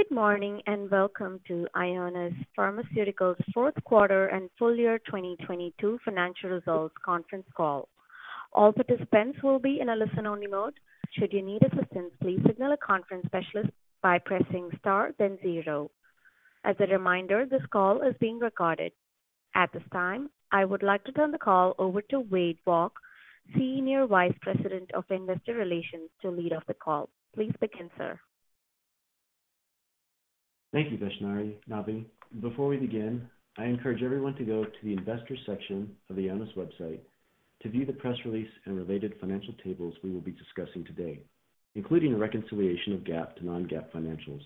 Good morning, welcome to Ionis Pharmaceuticals' Fourth Quarter and Full Year 2022 Financial Results Conference Call. All participants will be in a listen-only mode. Should you need assistance, please signal a conference specialist by pressing star then zero. As a reminder, this call is being recorded. At this time, I would like to turn the call over to Wade Boeck, Senior Vice President of Investor Relations, to lead off the call. Please begin, sir. Before we begin, I encourage everyone to go to the investors section of the Ionis website to view the press release and related financial tables we will be discussing today, including a reconciliation of GAAP to non-GAAP financials.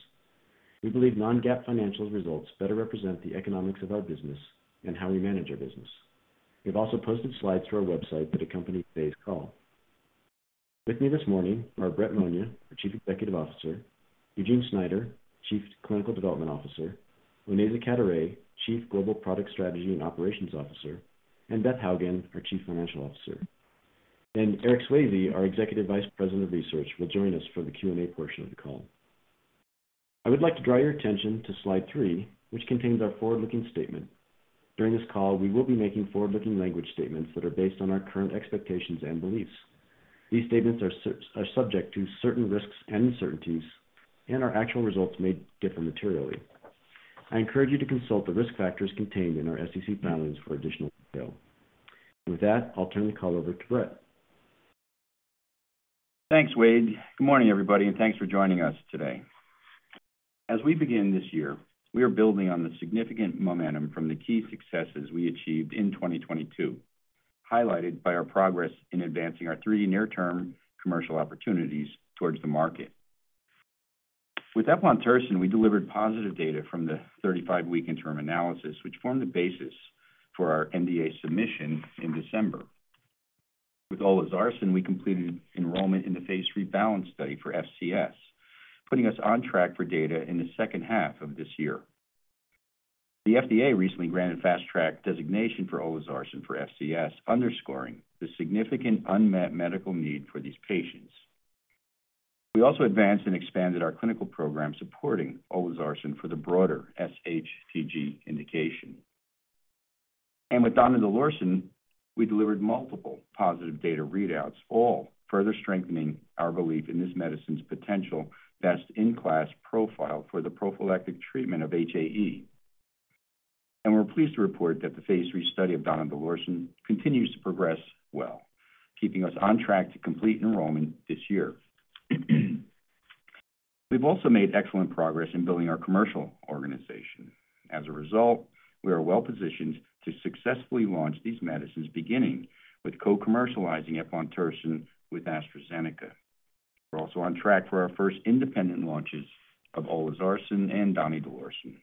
We believe non-GAAP financial results better represent the economics of our business and how we manage our business. We've also posted slides to our website that accompany today's call. With me this morning are Brett Monia, our Chief Executive Officer, Eugene Schneider, Chief Clinical Development Officer, Onaiza Cadoret-Manier, Chief Global Product Strategy and Operations Officer, and Beth Hougen, our Chief Financial Officer. Eric Swayze, our Executive Vice President of Research, will join us for the Q&A portion of the call. I would like to draw your attention to slide three, which contains our forward-looking statement. During this call, we will be making forward-looking language statements that are based on our current expectations and beliefs. These statements are subject to certain risks and uncertainties, and our actual results may differ materially. I encourage you to consult the risk factors contained in our SEC filings for additional detail. With that, I'll turn the call over to Brett. Thanks, Wade. Good morning, everybody, and thanks for joining us today. As we begin this year, we are building on the significant momentum from the key successes we achieved in 2022, highlighted by our progress in advancing our three near-term commercial opportunities towards the market. With eplontersen, we delivered positive data from the 35-week interim analysis, which formed the basis for our NDA submission in December. With olezarsen, we completed enrollment in the Phase 3 Balance Study for FCS, putting us on track for data in the second half of this year. The FDA recently granted Fast Track designation for olezarsen for FCS, underscoring the significant unmet medical need for these patients. We also advanced and expanded our clinical program supporting olezarsen for the broader SHTG indication. With donidalorsen, we delivered multiple positive data readouts, all further strengthening our belief in this medicine's potential best-in-class profile for the prophylactic treatment of HAE. We're pleased to report that the phase III study of donidalorsen continues to progress well, keeping us on track to complete enrollment this year. We've also made excellent progress in building our commercial organization. As a result, we are well-positioned to successfully launch these medicines, beginning with co-commercializing eplontersen with AstraZeneca. We're also on track for our first independent launches of olezarsen and donidalorsen.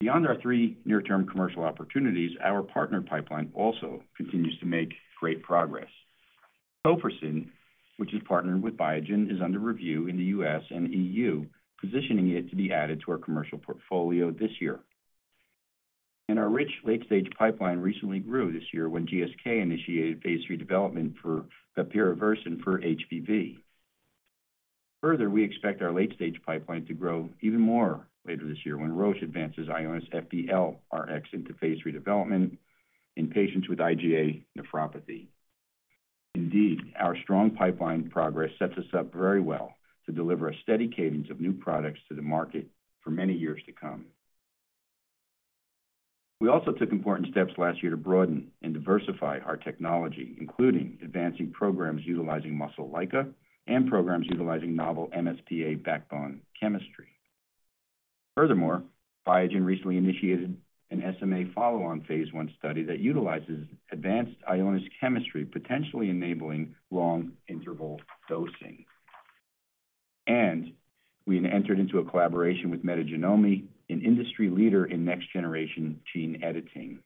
Beyond ourthree near-term commercial opportunities, our partner pipeline also continues to make great progress. tofersen, which is partnered with Biogen, is under review in the U.S. and E.U., positioning it to be added to our commercial portfolio this year. Our rich late-stage pipeline recently grew this year when GSK initiated phase III development for bepirovirsen for HBV. We expect our late-stage pipeline to grow even more later this year when Roche advances IONIS-FB-L Rx into phase III development in patients with IgA nephropathy. Our strong pipeline progress sets us up very well to deliver a steady cadence of new products to the market for many years to come. We also took important steps last year to broaden and diversify our technology, including advancing programs utilizing muscle LICA and programs utilizing novel MsPA backbone chemistry. Biogen recently initiated an SMA follow-on phase I study that utilizes advanced Ionis chemistry, potentially enabling long-interval dosing. We've entered into a collaboration with Metagenomi, an industry leader in next-generation gene editing.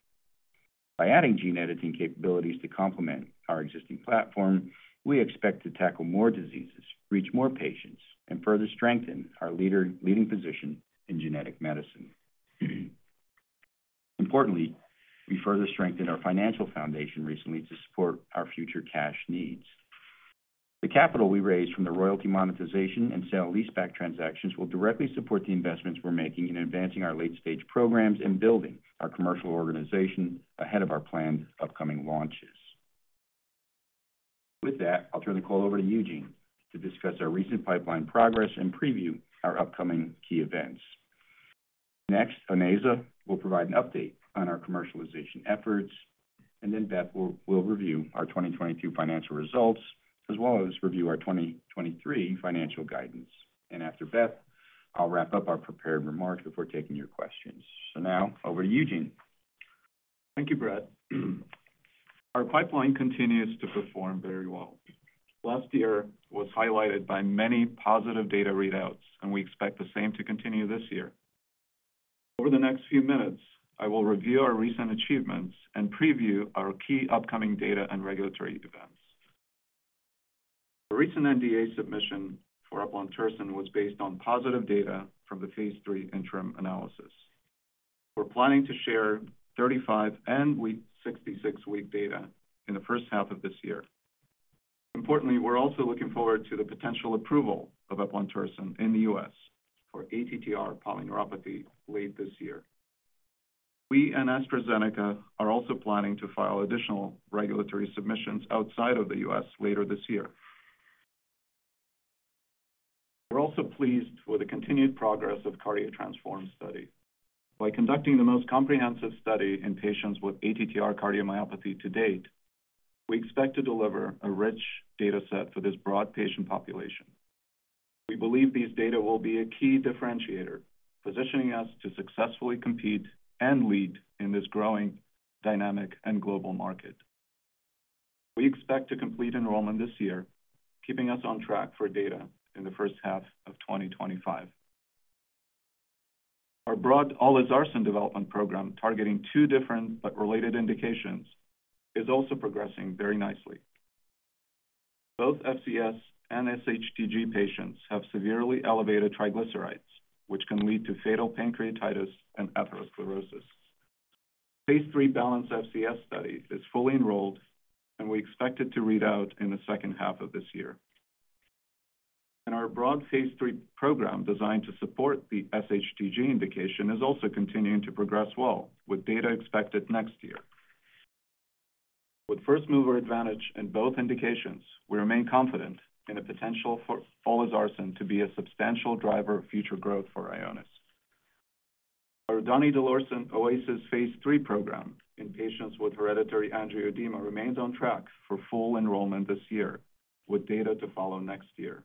By adding gene editing capabilities to complement our existing platform, we expect to tackle more diseases, reach more patients, and further strengthen our leading position in genetic medicine. Importantly, we further strengthened our financial foundation recently to support our future cash needs. The capital we raised from the royalty monetization and sale-leaseback transactions will directly support the investments we're making in advancing our late-stage programs and building our commercial organization ahead of our planned upcoming launches. I'll turn the call over to Eugene to discuss our recent pipeline progress and preview our upcoming key events. Onaiza will provide an update on our commercialization efforts, Beth will review our 2022 financial results as well as review our 2023 financial guidance. After Beth, I'll wrap up our prepared remarks before taking your questions. Now over to Eugene. Thank you, Brett. Our pipeline continues to perform very well. Last year was highlighted by many positive data readouts, and we expect the same to continue this year. Over the next few minutes, I will review our recent achievements and preview our key upcoming data and regulatory events. The recent NDA submission for eplontersen was based on positive data from the phase III interim analysis. We're planning to share 35 and 66 week data in the first half of this year. Importantly, we're also looking forward to the potential approval of eplontersen in the U.S. for ATTR polyneuropathy late this year. We and AstraZeneca are also planning to file additional regulatory submissions outside of the U.S. later this year. We're also pleased with the continued progress of CARDIO-TTRansform study. By conducting the most comprehensive study in patients with ATTR cardiomyopathy to date, we expect to deliver a rich data set for this broad patient population. We believe these data will be a key differentiator, positioning us to successfully compete and lead in this growing dynamic and global market. We expect to complete enrollment this year, keeping us on track for data in the first half of 2025. Our broad olezarsen development program, targeting two different but related indications, is also progressing very nicely. Both FCS and SHTG patients have severely elevated triglycerides, which can lead to fatal pancreatitis and atherosclerosis. Phase 3 Balance-FCS study is fully enrolled, and we expect it to read out in the second half of this year. Our broad phase III program, designed to support the SHTG indication, is also continuing to progress well, with data expected next year. With first-mover advantage in both indications, we remain confident in the potential for olezarsen to be a substantial driver of future growth for Ionis. Our donidalorsen OASIS phase III program in patients with Hereditary Angioedema remains on track for full enrollment this year, with data to follow next year.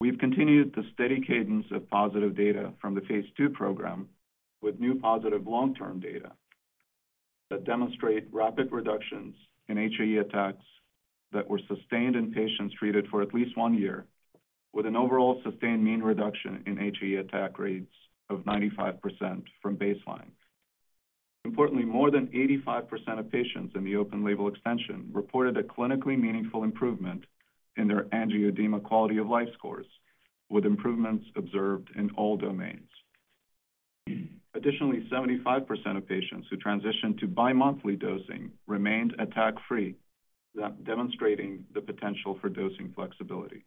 We've continued the steady cadence of positive data from the phase II program with new positive long-term data that demonstrate rapid reductions in HAE attacks that were sustained in patients treated for at least one year, with an overall sustained mean reduction in HAE attack rates of 95% from baseline. Importantly, more than 85% of patients in the open-label extension reported a clinically meaningful improvement in their Angioedema quality of life scores, with improvements observed in all domains. Additionally, 75% of patients who transitioned to bi-monthly dosing remained attack-free, demonstrating the potential for dosing flexibility.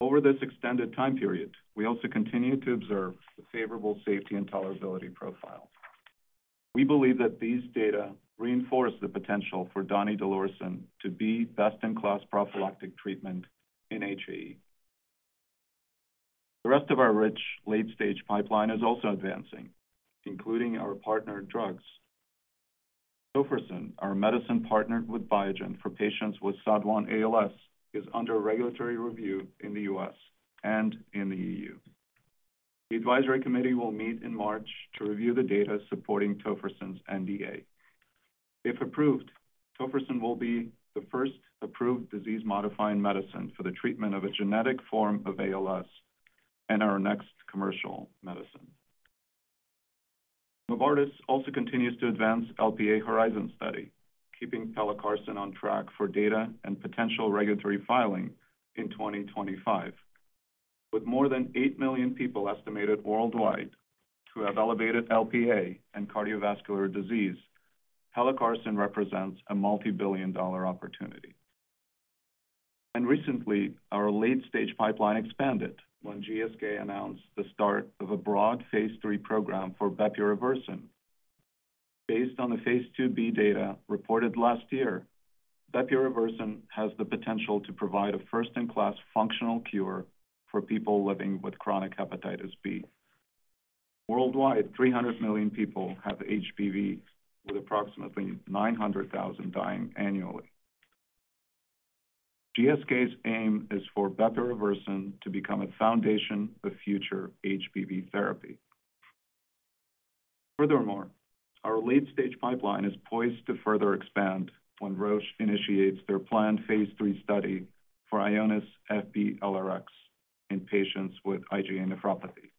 Over this extended time period, we also continued to observe the favorable safety and tolerability profile. We believe that these data reinforce the potential for donidalorsen to be best-in-class prophylactic treatment in HAE. The rest of our rich late-stage pipeline is also advancing, including our partnered drugs. tofersen, our medicine partnered with Biogen for patients with SOD1-ALS, is under regulatory review in the U.S. and in the E.U. The advisory committee will meet in March to review the data supporting tofersen's NDA. If approved, tofersen will be the first approved disease-modifying medicine for the treatment of a genetic form of ALS and our next commercial medicine. Novartis also continues to advance Lp(a) HORIZON study, keeping pelacarsen on track for data and potential regulatory filing in 2025. With more than 8 million people estimated worldwide to have elevated Lp(a) and cardiovascular disease, pelacarsen represents a multibillion-dollar opportunity. Recently, our late-stage pipeline expanded when GSK announced the start of a broad phase III program for bepirovirsen. Based on the phase IIb data reported last year, bepirovirsen has the potential to provide a first-in-class functional cure for people living with chronic hepatitis B. Worldwide, 300 million people have HBV, with approximately 900,000 dying annually. GSK's aim is for bepirovirsen to become a foundation for future HBV therapy. Our late-stage pipeline is poised to further expand when Roche initiates their planned phase III study for Ionis FP-LRX in patients with IgA nephropathy.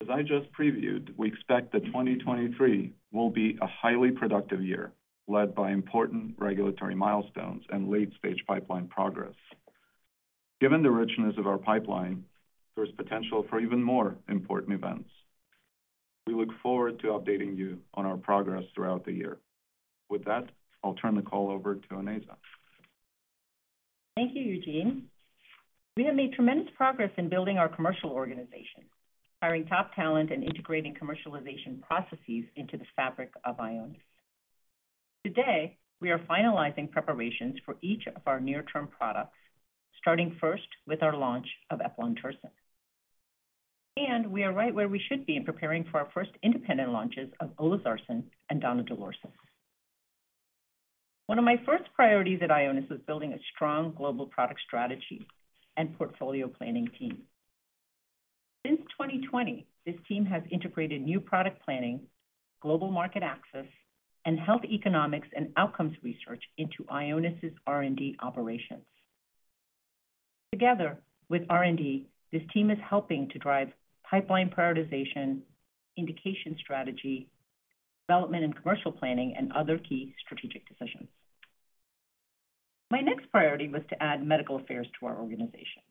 As I just previewed, we expect that 2023 will be a highly productive year led by important regulatory milestones and late-stage pipeline progress. Given the richness of our pipeline, there's potential for even more important events. We look forward to updating you on our progress throughout the year. With that, I'll turn the call over to Onaiza. Thank you, Eugene. We have made tremendous progress in building our commercial organization, hiring top talent, and integrating commercialization processes into the fabric of Ionis. Today, we are finalizing preparations for each of our near-term products, starting first with our launch of eplontersen. We are right where we should be in preparing for our first independent launches of olezarsen and donidalorsen. One of my first priorities at Ionis was building a strong global product strategy and portfolio planning team. Since 2020, this team has integrated new product planning, global market access, and health economics and outcomes research into Ionis's R&D operations. Together, with R&D, this team is helping to drive pipeline prioritization, indication strategy, development and commercial planning, and other key strategic decisions. My next priority was to add medical affairs to our organization.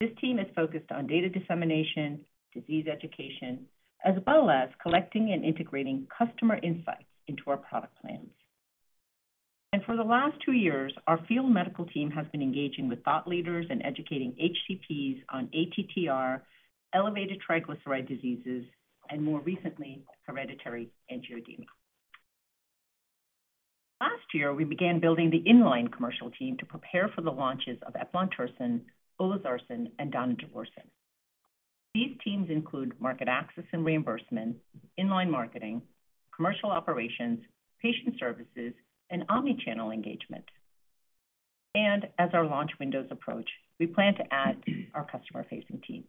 This team is focused on data dissemination, disease education, as well as collecting and integrating customer insights into our product plans. For the last two years, our field medical team has been engaging with thought leaders and educating HCPs on ATTR, elevated triglyceride diseases, and more recently, Hereditary Angioedema. Last year, we began building the inline commercial team to prepare for the launches of eplontersen, olezarsen, and donidalorsen. These teams include market access and reimbursement, inline marketing, commercial operations, patient services, and omni-channel engagement. As our launch windows approach, we plan to add our customer-facing teams.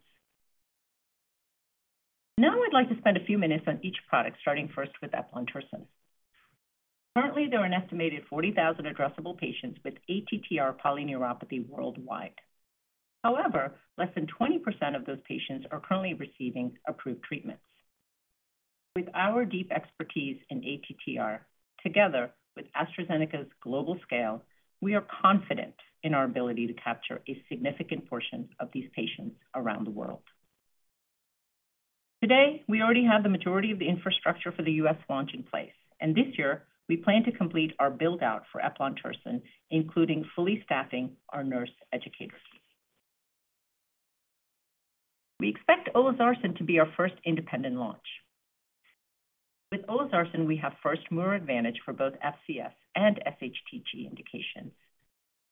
Now I'd like to spend a few minutes on each product, starting first with eplontersen. Currently, there are an estimated 40,000 addressable patients with ATTR polyneuropathy worldwide. However, less than 20% of those patients are currently receiving approved treatments. With our deep expertise in ATTR, together with AstraZeneca's global scale, we are confident in our ability to capture a significant portion of these patients around the world. Today, we already have the majority of the infrastructure for the U.S. launch in place. This year, we plan to complete our build-out for eplontersen, including fully staffing our nurse educator team. We expect olezarsen to be our first independent launch. With olezarsen, we have first mover advantage for both FCS and SHTG indications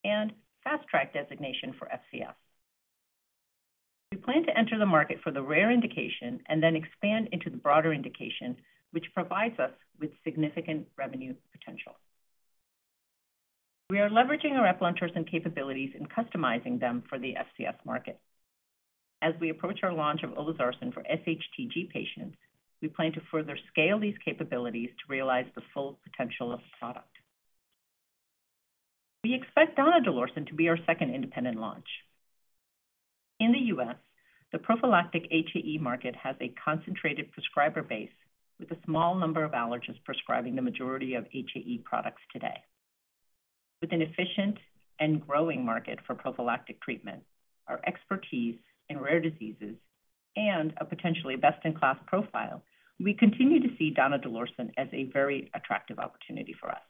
and Fast Track designation for FCS. We plan to enter the market for the rare indication and then expand into the broader indication, which provides us with significant revenue potential. We are leveraging our eplontersen capabilities and customizing them for the FCS market. As we approach our launch of olezarsen for SHTG patients, we plan to further scale these capabilities to realize the full potential of the product. We expect donidalorsen to be our second independent launch. In the U.S., the prophylactic HAE market has a concentrated prescriber base with a small number of allergists prescribing the majority of HAE products today. With an efficient and growing market for prophylactic treatment, our expertise in rare diseases and a potentially best-in-class profile, we continue to see donidalorsen as a very attractive opportunity for us.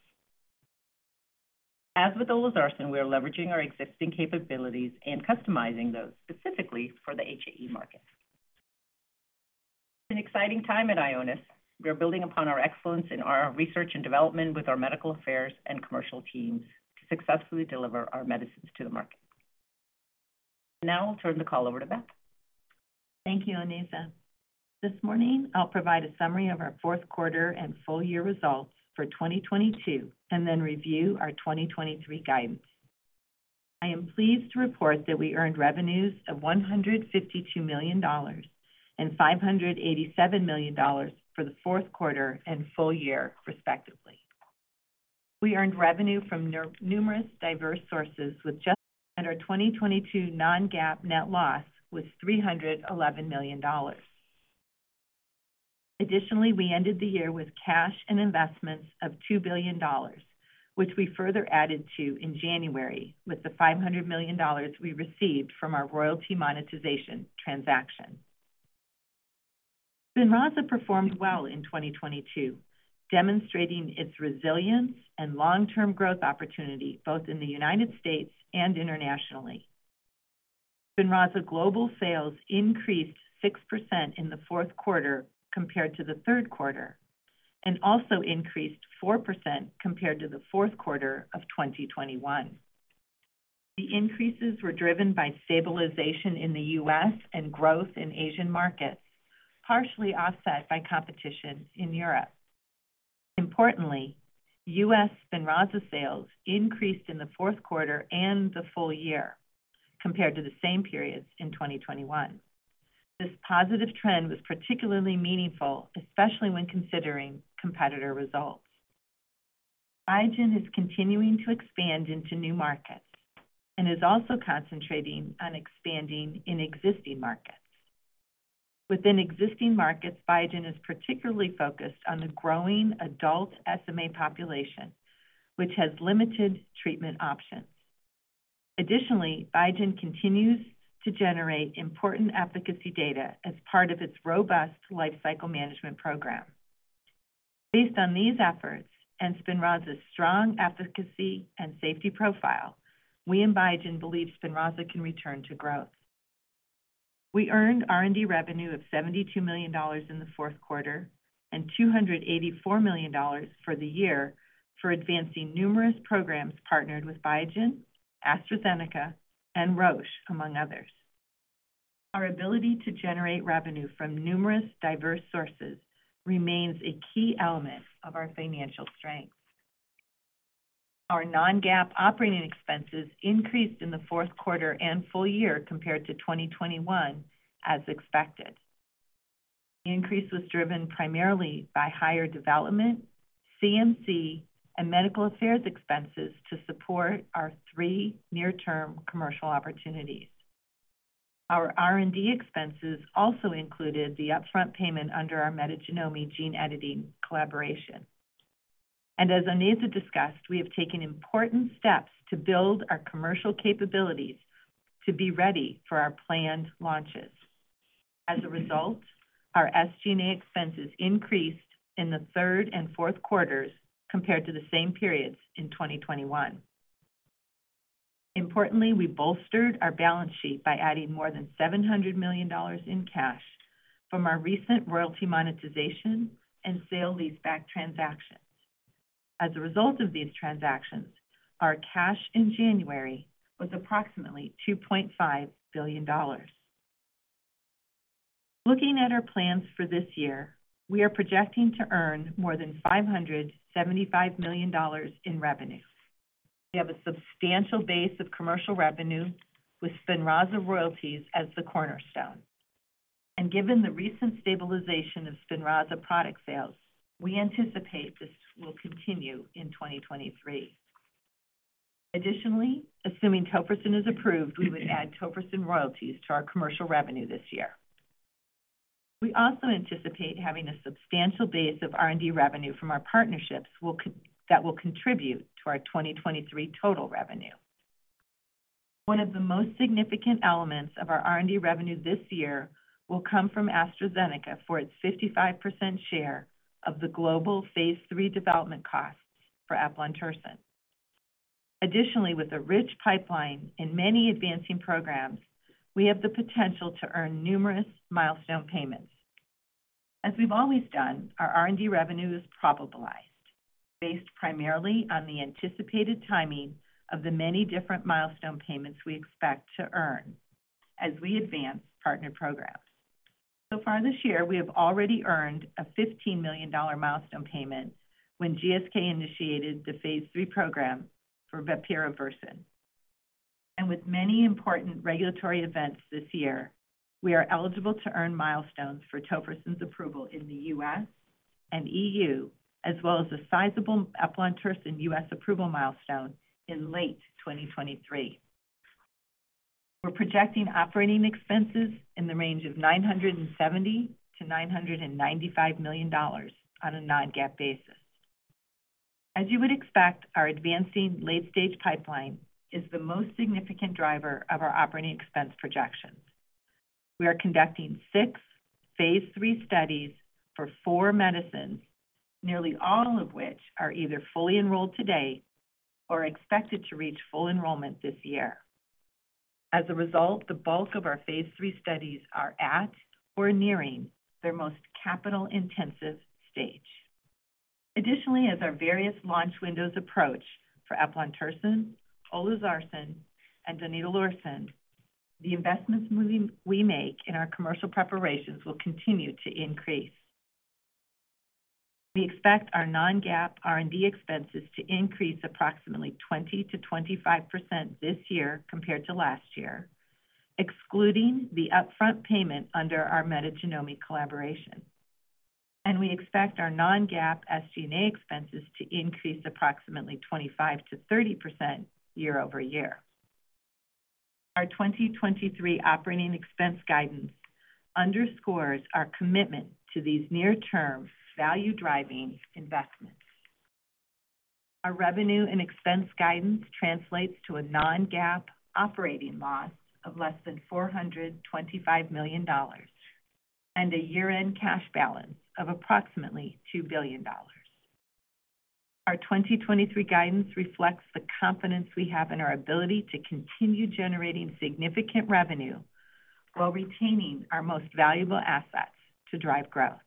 As with olezarsen, we are leveraging our existing capabilities and customizing those specifically for the HAE market. It's an exciting time at Ionis. We are building upon our excellence in our research and development with our medical affairs and commercial teams to successfully deliver our medicines to the market. Now I'll turn the call over to Beth. Thank you, Onaiza. This morning, I'll provide a summary of our fourth quarter and full year results for 2022 and then review our 2023 guidance. I am pleased to report that we earned revenues of $152 million and $587 million for the fourth quarter and full year, respectively. We earned revenue from numerous diverse sources with just under 2022 non-GAAP net loss was $311 million. Additionally, we ended the year with cash and investments of $2 billion, which we further added to in January with the $500 million we received from our royalty monetization transaction. SPINRAZA performed well in 2022, demonstrating its resilience and long-term growth opportunity both in the United States and internationally. SPINRAZA global sales increased 6% in the fourth quarter compared to the third quarter and also increased 4% compared to the fourth quarter of 2021. The increases were driven by stabilization in the U.S. and growth in Asian markets, partially offset by competition in Europe. Importantly, U.S. SPINRAZA sales increased in the fourth quarter and the full year compared to the same periods in 2021. This positive trend was particularly meaningful, especially when considering competitor results. Biogen is continuing to expand into new markets and is also concentrating on expanding in existing markets. Within existing markets, Biogen is particularly focused on the growing adult SMA population, which has limited treatment options. Additionally, Biogen continues to generate important efficacy data as part of its robust lifecycle management program. Based on these efforts and SPINRAZA's strong efficacy and safety profile, we and Biogen believe SPINRAZA can return to growth. We earned R&D revenue of $72 million in the fourth quarter and $284 million for the year for advancing numerous programs partnered with Biogen, AstraZeneca, and Roche, among others. Our ability to generate revenue from numerous diverse sources remains a key element of our financial strength. Our non-GAAP operating expenses increased in the fourth quarter and full year compared to 2021 as expected. The increase was driven primarily by higher development, CMC, and medical affairs expenses to support our three near-term commercial opportunities. Our R&D expenses also included the upfront payment under our Metagenomi gene editing collaboration. As Onaiza discussed, we have taken important steps to build our commercial capabilities to be ready for our planned launches. As a result, our SG&A expenses increased in the third and fourth quarters compared to the same periods in 2021. Importantly, we bolstered our balance sheet by adding more than $700 million in cash from our recent royalty monetization and sale leaseback transactions. As a result of these transactions, our cash in January was approximately $2.5 billion. Looking at our plans for this year, we are projecting to earn more than $575 million in revenue. We have a substantial base of commercial revenue with SPINRAZA royalties as the cornerstone. Given the recent stabilization of SPINRAZA product sales, we anticipate this will continue in 2023. Additionally, assuming tofersen is approved, we would add tofersen royalties to our commercial revenue this year. We also anticipate having a substantial base of R&D revenue from our partnerships that will contribute to our 2023 total revenue. One of the most significant elements of our R&D revenue this year will come from AstraZeneca for its 55% share of the global phase III development costs for eplontersen. Additionally, with a rich pipeline and many advancing programs, we have the potential to earn numerous milestone payments. As we've always done, our R&D revenue is probabilized based primarily on the anticipated timing of the many different milestone payments we expect to earn as we advance partner programs. So far this year, we have already earned a $15 million milestone payment when GSK initiated the phase III program for bepirovirsen. With many important regulatory events this year, we are eligible to earn milestones for tofersen's approval in the U.S. and E.U., as well as a sizable eplontersen U.S. approval milestone in late 2023. We're projecting operating expenses in the range of $970 million-$995 million on a non-GAAP basis. As you would expect, our advancing late-stage pipeline is the most significant driver of our operating expense projections. We are conducting six phase III studies for four medicines, nearly all of which are either fully enrolled today or expected to reach full enrollment this year. As a result, the bulk of our phase III studies are at or nearing their most capital-intensive stage. Additionally, as our various launch windows approach for eplontersen, olezarsen, and donidalorsen, the investments we make in our commercial preparations will continue to increase. We expect our non-GAAP R&D expenses to increase approximately 20%-25% this year compared to last year, excluding the upfront payment under our Metagenomi collaboration. We expect our non-GAAP SG&A expenses to increase approximately 25%-30% year-over-year. Our 2023 operating expense guidance underscores our commitment to these near-term value-driving investments. Our revenue and expense guidance translates to a non-GAAP operating loss of less than $425 million and a year-end cash balance of approximately $2 billion. Our 2023 guidance reflects the confidence we have in our ability to continue generating significant revenue while retaining our most valuable assets to drive growth.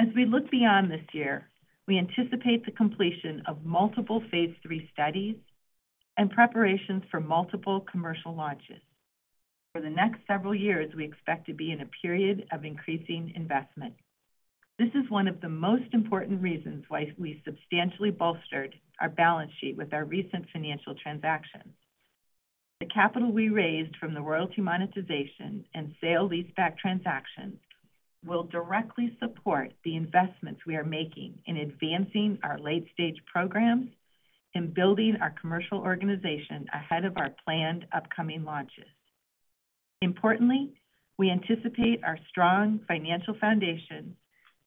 As we look beyond this year, we anticipate the completion of multiple phase III studies and preparations for multiple commercial launches. For the next several years, we expect to be in a period of increasing investment. This is one of the most important reasons why we substantially bolstered our balance sheet with our recent financial transactions. The capital we raised from the royalty monetization and sale leaseback transactions will directly support the investments we are making in advancing our late-stage programs and building our commercial organization ahead of our planned upcoming launches. Importantly, we anticipate our strong financial foundation,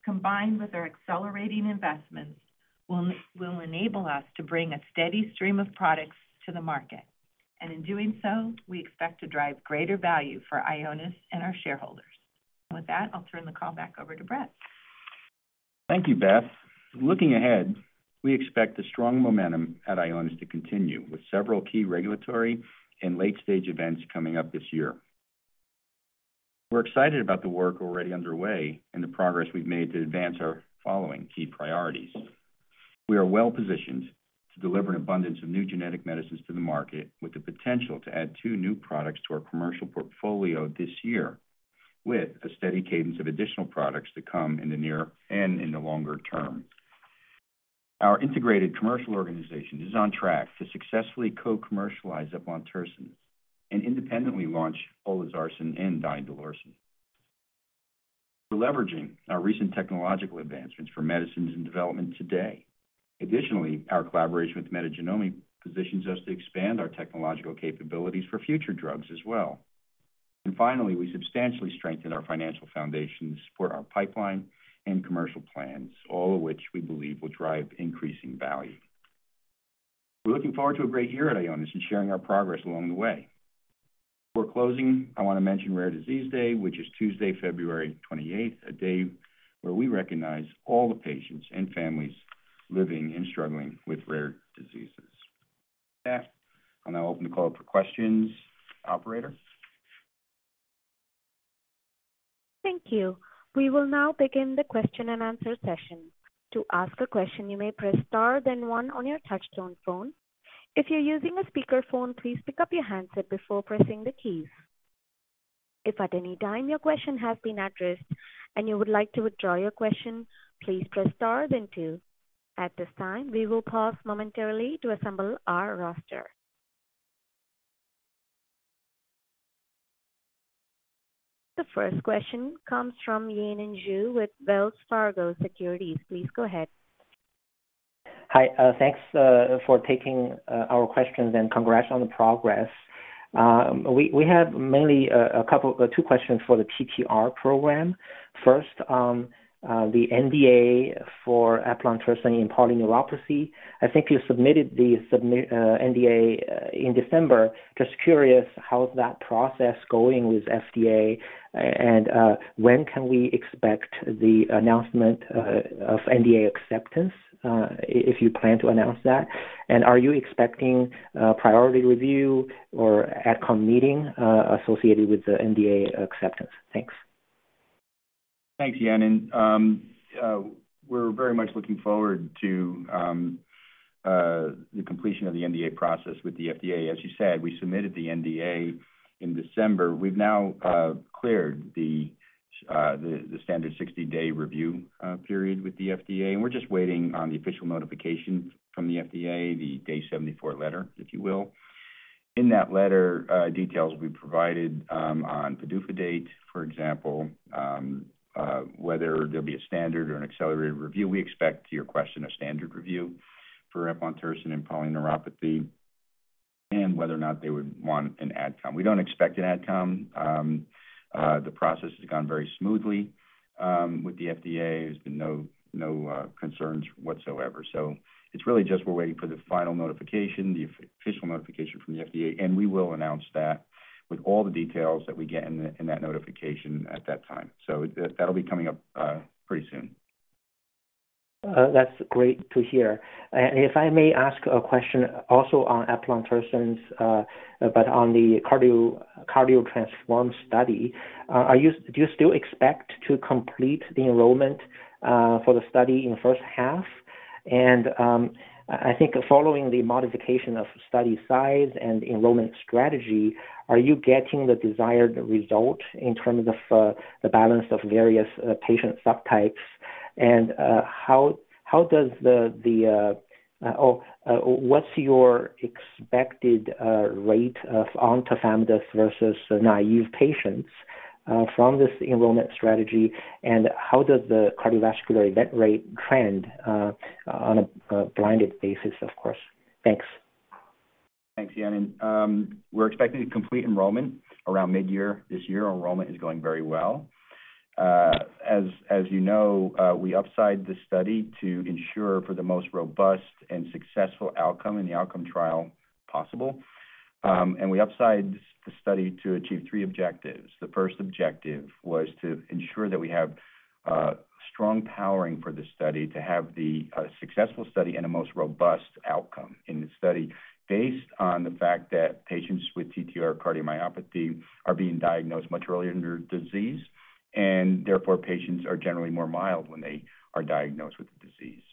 combined with our accelerating investments, will enable us to bring a steady stream of products to the market. In doing so, we expect to drive greater value for Ionis and our shareholders. With that, I'll turn the call back over to Brett. Thank you, Beth. Looking ahead, we expect the strong momentum at Ionis to continue with several key regulatory and late-stage events coming up this year. We're excited about the work already underway and the progress we've made to advance our following key priorities. We are well-positioned to deliver an abundance of new genetic medicines to the market with the potential to add two new products to our commercial portfolio this year, with a steady cadence of additional products to come in the near and in the longer term. Our integrated commercial organization is on track to successfully co-commercialize eplontersen and independently launch olezarsen and donidalorsen. We're leveraging our recent technological advancements for medicines and development today. Additionally, our collaboration with Metagenomi positions us to expand our technological capabilities for future drugs as well. Finally, we substantially strengthen our financial foundations for our pipeline and commercial plans, all of which we believe will drive increasing value. We're looking forward to a great year at Ionis and sharing our progress along the way. Before closing, I wanna mention Rare Disease Day, which is Tuesday, February 28th, a day where we recognize all the patients and families living and struggling with rare diseases. With that, I'll now open the call up for questions. Operator? Thank you. We will now begin the question and answer session. To ask a question, you may press star then one on your touchtone phone. If you're using a speaker phone, please pick up your handset before pressing the keys. If at any time your question has been addressed and you would like to withdraw your question, please press star then two. At this time, we will pause momentarily to assemble our roster. The first question comes from Yanan Zhu with Wells Fargo Securities. Please go ahead. Hi, thanks for taking our questions and congrats on the progress. We have mainly a couple, two questions for the TTR program. First, the NDA for eplontersen in polyneuropathy. I think you submitted the NDA in December. Just curious, how's that process going with FDA? When can we expect the announcement of NDA acceptance if you plan to announce that? Are you expecting priority review or ad com meeting associated with the NDA acceptance? Thanks. Thanks, Yanan. We're very much looking forward to the completion of the NDA process with the FDA. As you said, we submitted the NDA in December. We've now cleared the 60-day review period with the FDA, and we're just waiting on the official notification from the FDA, the day 74 letter, if you will. In that letter, details will be provided on PDUFA date, for example, whether there'll be a standard or an accelerated review. We expect, to your question, a standard review for eplontersen in polyneuropathy and whether or not they would want an ad com. We don't expect an ad com. The process has gone very smoothly with the FDA. There's been no concerns whatsoever. It's really just we're waiting for the final notification, the official notification from the FDA, and we will announce that with all the details that we get in the, in that notification at that time. That, that'll be coming up, pretty soon. That's great to hear. If I may ask a question also on eplontersen, but on the CARDIO-TTRansform study. Do you still expect to complete the enrollment for the study in the first half? I think following the modification of study size and enrollment strategy, are you getting the desired result in terms of the balance of various patient subtypes? What's your expected rate of on tafamidis versus naive patients from this enrollment strategy? How does the cardiovascular event rate trend on a blinded basis, of course? Thanks. Thanks, Yanan. We're expecting to complete enrollment around mid-year this year. Enrollment is going very well. As you know, we upside the study to ensure for the most robust and successful outcome in the outcome trial possible. We upside the study to achieve three objectives. The first objective was to ensure that we have strong powering for the study to have the successful study and the most robust outcome in the study based on the fact that patients with ATTR cardiomyopathy are being diagnosed much earlier in their disease, and therefore patients are generally more mild when they are diagnosed with the disease.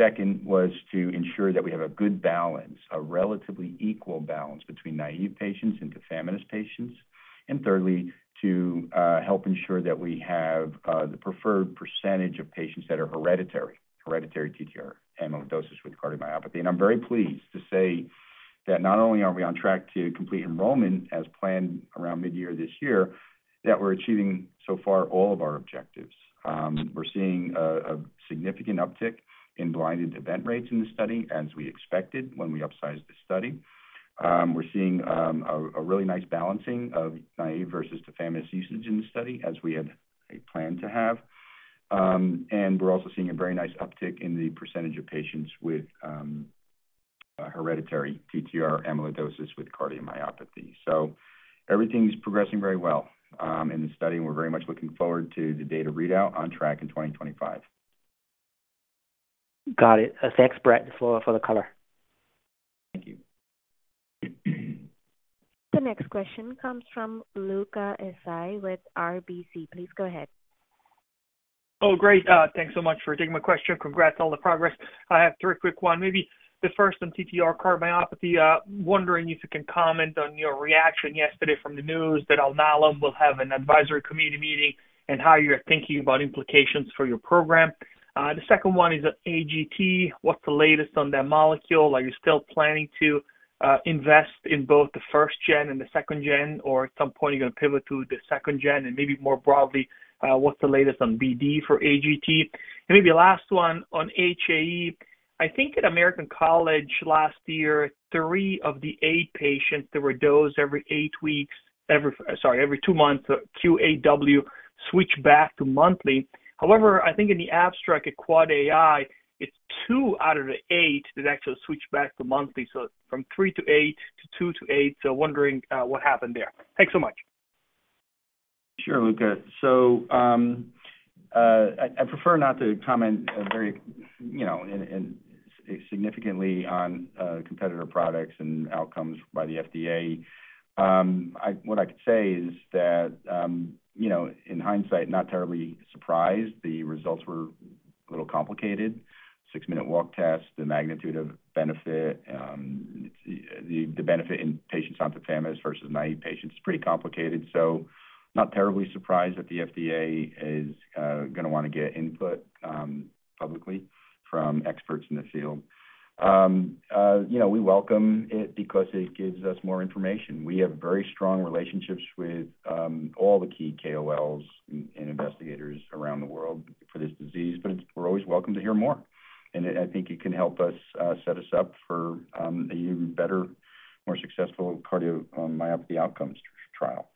Second was to ensure that we have a good balance, a relatively equal balance between naive patients and tafamidis patients. thirdly, to help ensure that we have the preferred percentage of patients that are hereditary TTR amyloidosis with cardiomyopathy. I'm very pleased to say that not only are we on track to complete enrollment as planned around mid-year this year, that we're achieving so far all of our objectives. We're seeing a significant uptick in blinded event rates in the study, as we expected when we upsized the study. We're seeing a really nice balancing of naive versus tafamidis usage in the study, as we had planned to have. We're also seeing a very nice uptick in the percentage of patients with hereditary TTR amyloidosis with cardiomyopathy. Everything's progressing very well in the study, and we're very much looking forward to the data readout on track in 2025. Got it. Thanks, Brett, for the color. Thank you. The next question comes from Luca Issi with RBC. Please go ahead. Oh, great. Thanks so much for taking my question. Congrats on all the progress. I have three quick one. Maybe the first on ATTR cardiomyopathy. Wondering if you can comment on your reaction yesterday from the news that Alnylam will have an advisory committee meeting and how you're thinking about implications for your program. The second one is AGT. What's the latest on that molecule? Are you still planning to invest in both the first gen and the second gen, or at some point, are you gonna pivot to the second gen and maybe more broadly, what's the latest on BD for AGT? Maybe the last one on HAE. I think at American College last year, three of the eight patients that were dosed every eight weeks, every-- sorry, every two months, Q8W, switched back to monthly. I think in the abstract at quad AI, it's two out of the eight that actually switched back to monthly, so from three to eight to two to eight. Wondering what happened there. Thanks so much. Sure, Luca. I prefer not to comment very, you know, significantly on competitor products and outcomes by the FDA. What I can say is that, you know, in hindsight, not terribly surprised. The results were a little complicated. Six-minute walk test, the magnitude of benefit, it's the benefit in patients on tafamidis versus naive patients is pretty complicated. Not terribly surprised that the FDA is gonna wanna get input publicly from experts in the field. You know, we welcome it because it gives us more information. We have very strong relationships with all the key KOLs and investigators around the world for this disease, we're always welcome to hear more. I think it can help us set us up for a even better, more successful cardiomyopathy outcomes trial.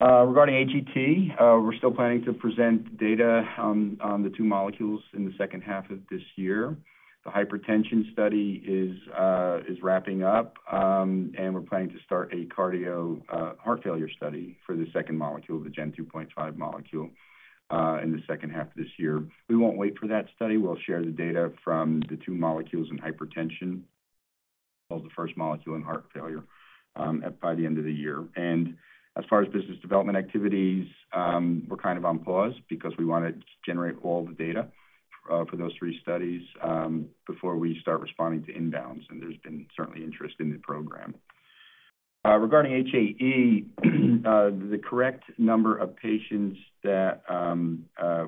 Regarding AGT, we're still planning to present data on the two molecules in the second half of this year. The hypertension study is wrapping up, and we're planning to start a heart failure study for the second molecule, the gen 2.5 molecule, in the second half of this year. We won't wait for that study. We'll share the data from the two molecules in hypertension, as well the first molecule in heart failure, by the end of the year. As far as business development activities, we're kind of on pause because we wanna generate all the data for those 3 studies before we start responding to inbounds. There's been certainly interest in the program. Regarding HAE, the correct number of patients that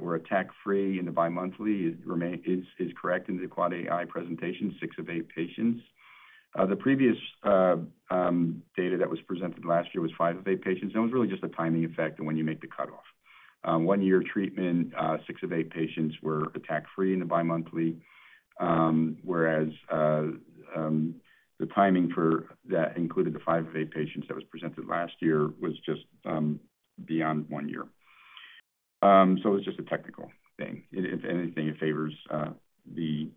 were attack-free in the bi-monthly is correct in the quad AI presentation, six of eight patients. The previous data that was presented last year was five of eight patients, and it was really just a timing effect on when you make the cutoff. One year treatment, six of eight patients were attack-free in the bi-monthly, whereas the timing for that included the five of eight patients that was presented last year was just beyond one year. So it's just a technical thing. If anything, it favors the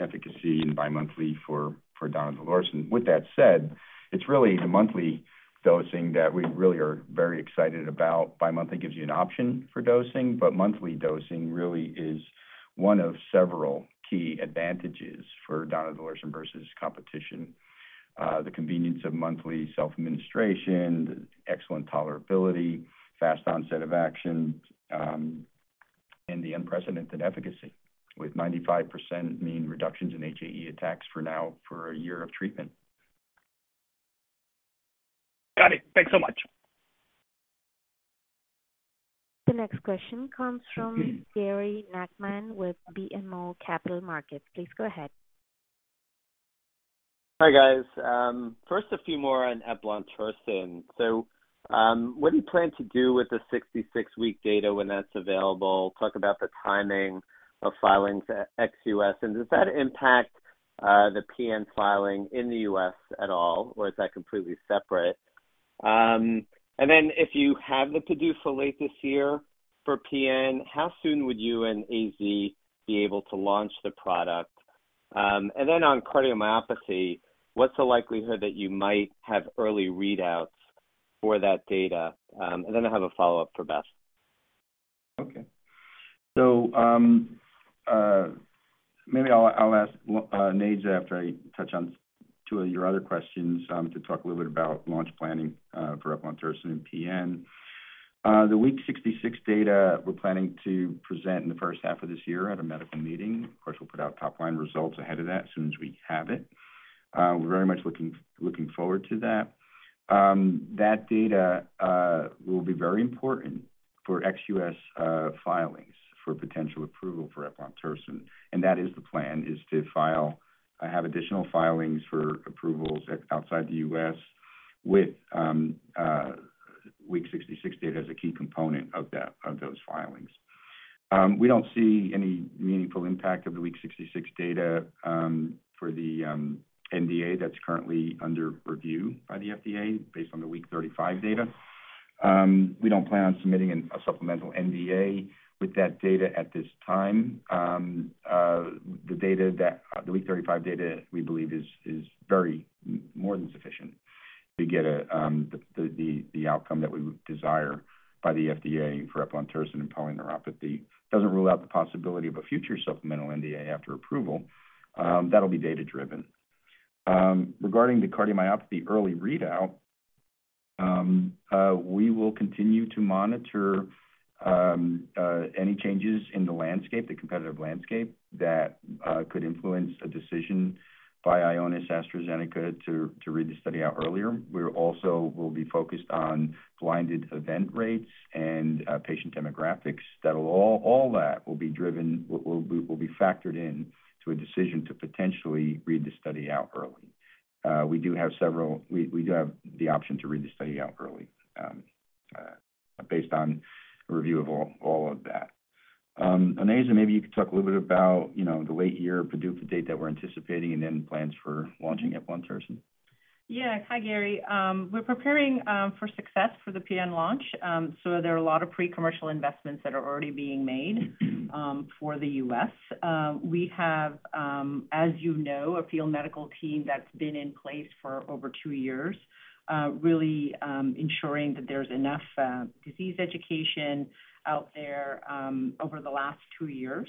efficacy in bi-monthly for donidalorsen. With that said, it's really the monthly dosing that we really are very excited about. Bi-monthly gives you an option for dosing, but monthly dosing really is one of several key advantages for donatelersen versus competition. The convenience of monthly self-administration, the excellent tolerability, fast onset of action, and the unprecedented efficacy with 95% mean reductions in HAE attacks for now for a year of treatment. Got it. Thanks so much. The next question comes from Gary Nachman with BMO Capital Markets. Please go ahead. Hi, guys. First, a few more on eplontersen. What do you plan to do with the 66-week data when that's available? Talk about the timing of filings ex U.S., and does that impact the PN filing in the U.S. at all, or is that completely separate? If you have the PDUFA date this year for PN, how soon would you and AZ be able to launch the product? On cardiomyopathy, what's the likelihood that you might have early readouts for that data? I have a follow-up for Beth. Okay. Maybe I'll ask Onaiza after I touch on two. Of your other questions to talk a little bit about launch planning for eplontersen and PN. The week 66 data we're planning to present in the first half of this year at a medical meeting. Of course, we'll put out top line results ahead of that as soon as we have it. We're very much looking forward to that. That data will be very important for ex-U.S. filings for potential approval for eplontersen. And that is the plan, is to have additional filings for approvals outside the U.S. with week 66 data as a key component of those filings. We don't see any meaningful impact of the week 66 data for the NDA that's currently under review by the FDA based on the week 35 data. We don't plan on submitting a supplemental NDA with that data at this time. The week 35 data, we believe is very more than sufficient to get the outcome that we desire by the FDA for eplontersen and polyneuropathy. Doesn't rule out the possibility of a future supplemental NDA after approval. That'll be data-driven. Regarding the cardiomyopathy early readout. We will continue to monitor any changes in the landscape, the competitive landscape that could influence a decision by Ionis AstraZeneca to read the study out earlier. We also will be focused on blinded event rates and patient demographics that all that will be driven, will be factored in to a decision to potentially read the study out early. We do have several... We do have the option to read the study out early, based on review of all of that. Onaiza, maybe you could talk a little bit about, you know, the late year PDUFA date that we're anticipating and then plans for launching eplontersen. Yeah. Hi, Gary. We're preparing for success for the PN launch. There are a lot of pre-commercial investments that are already being made for the U.S. We have, as you know, a field medical team that's been in place for over two years, really ensuring that there's enough disease education out there over the last two years.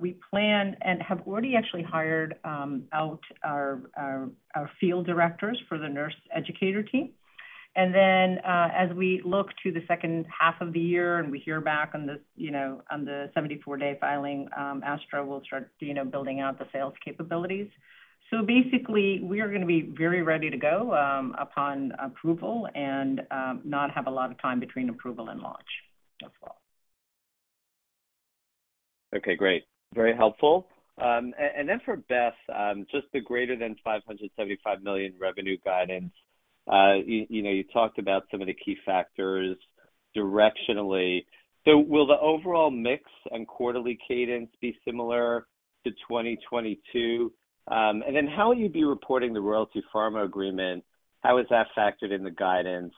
We plan and have already actually hired out our field directors for the nurse educator team. As we look to the second half of the year and we hear back on the, you know, on the 74-day filing, AstraZeneca will start, you know, building out the sales capabilities. Basically, we are gonna be very ready to go upon approval and not have a lot of time between approval and launch as well. Okay, great. Very helpful. And then for Beth, just the greater than $575 million revenue guidance. You, you know, you talked about some of the key factors directionally. Will the overall mix and quarterly cadence be similar to 2022? How will you be reporting the Royalty Pharma agreement? How is that factored in the guidance?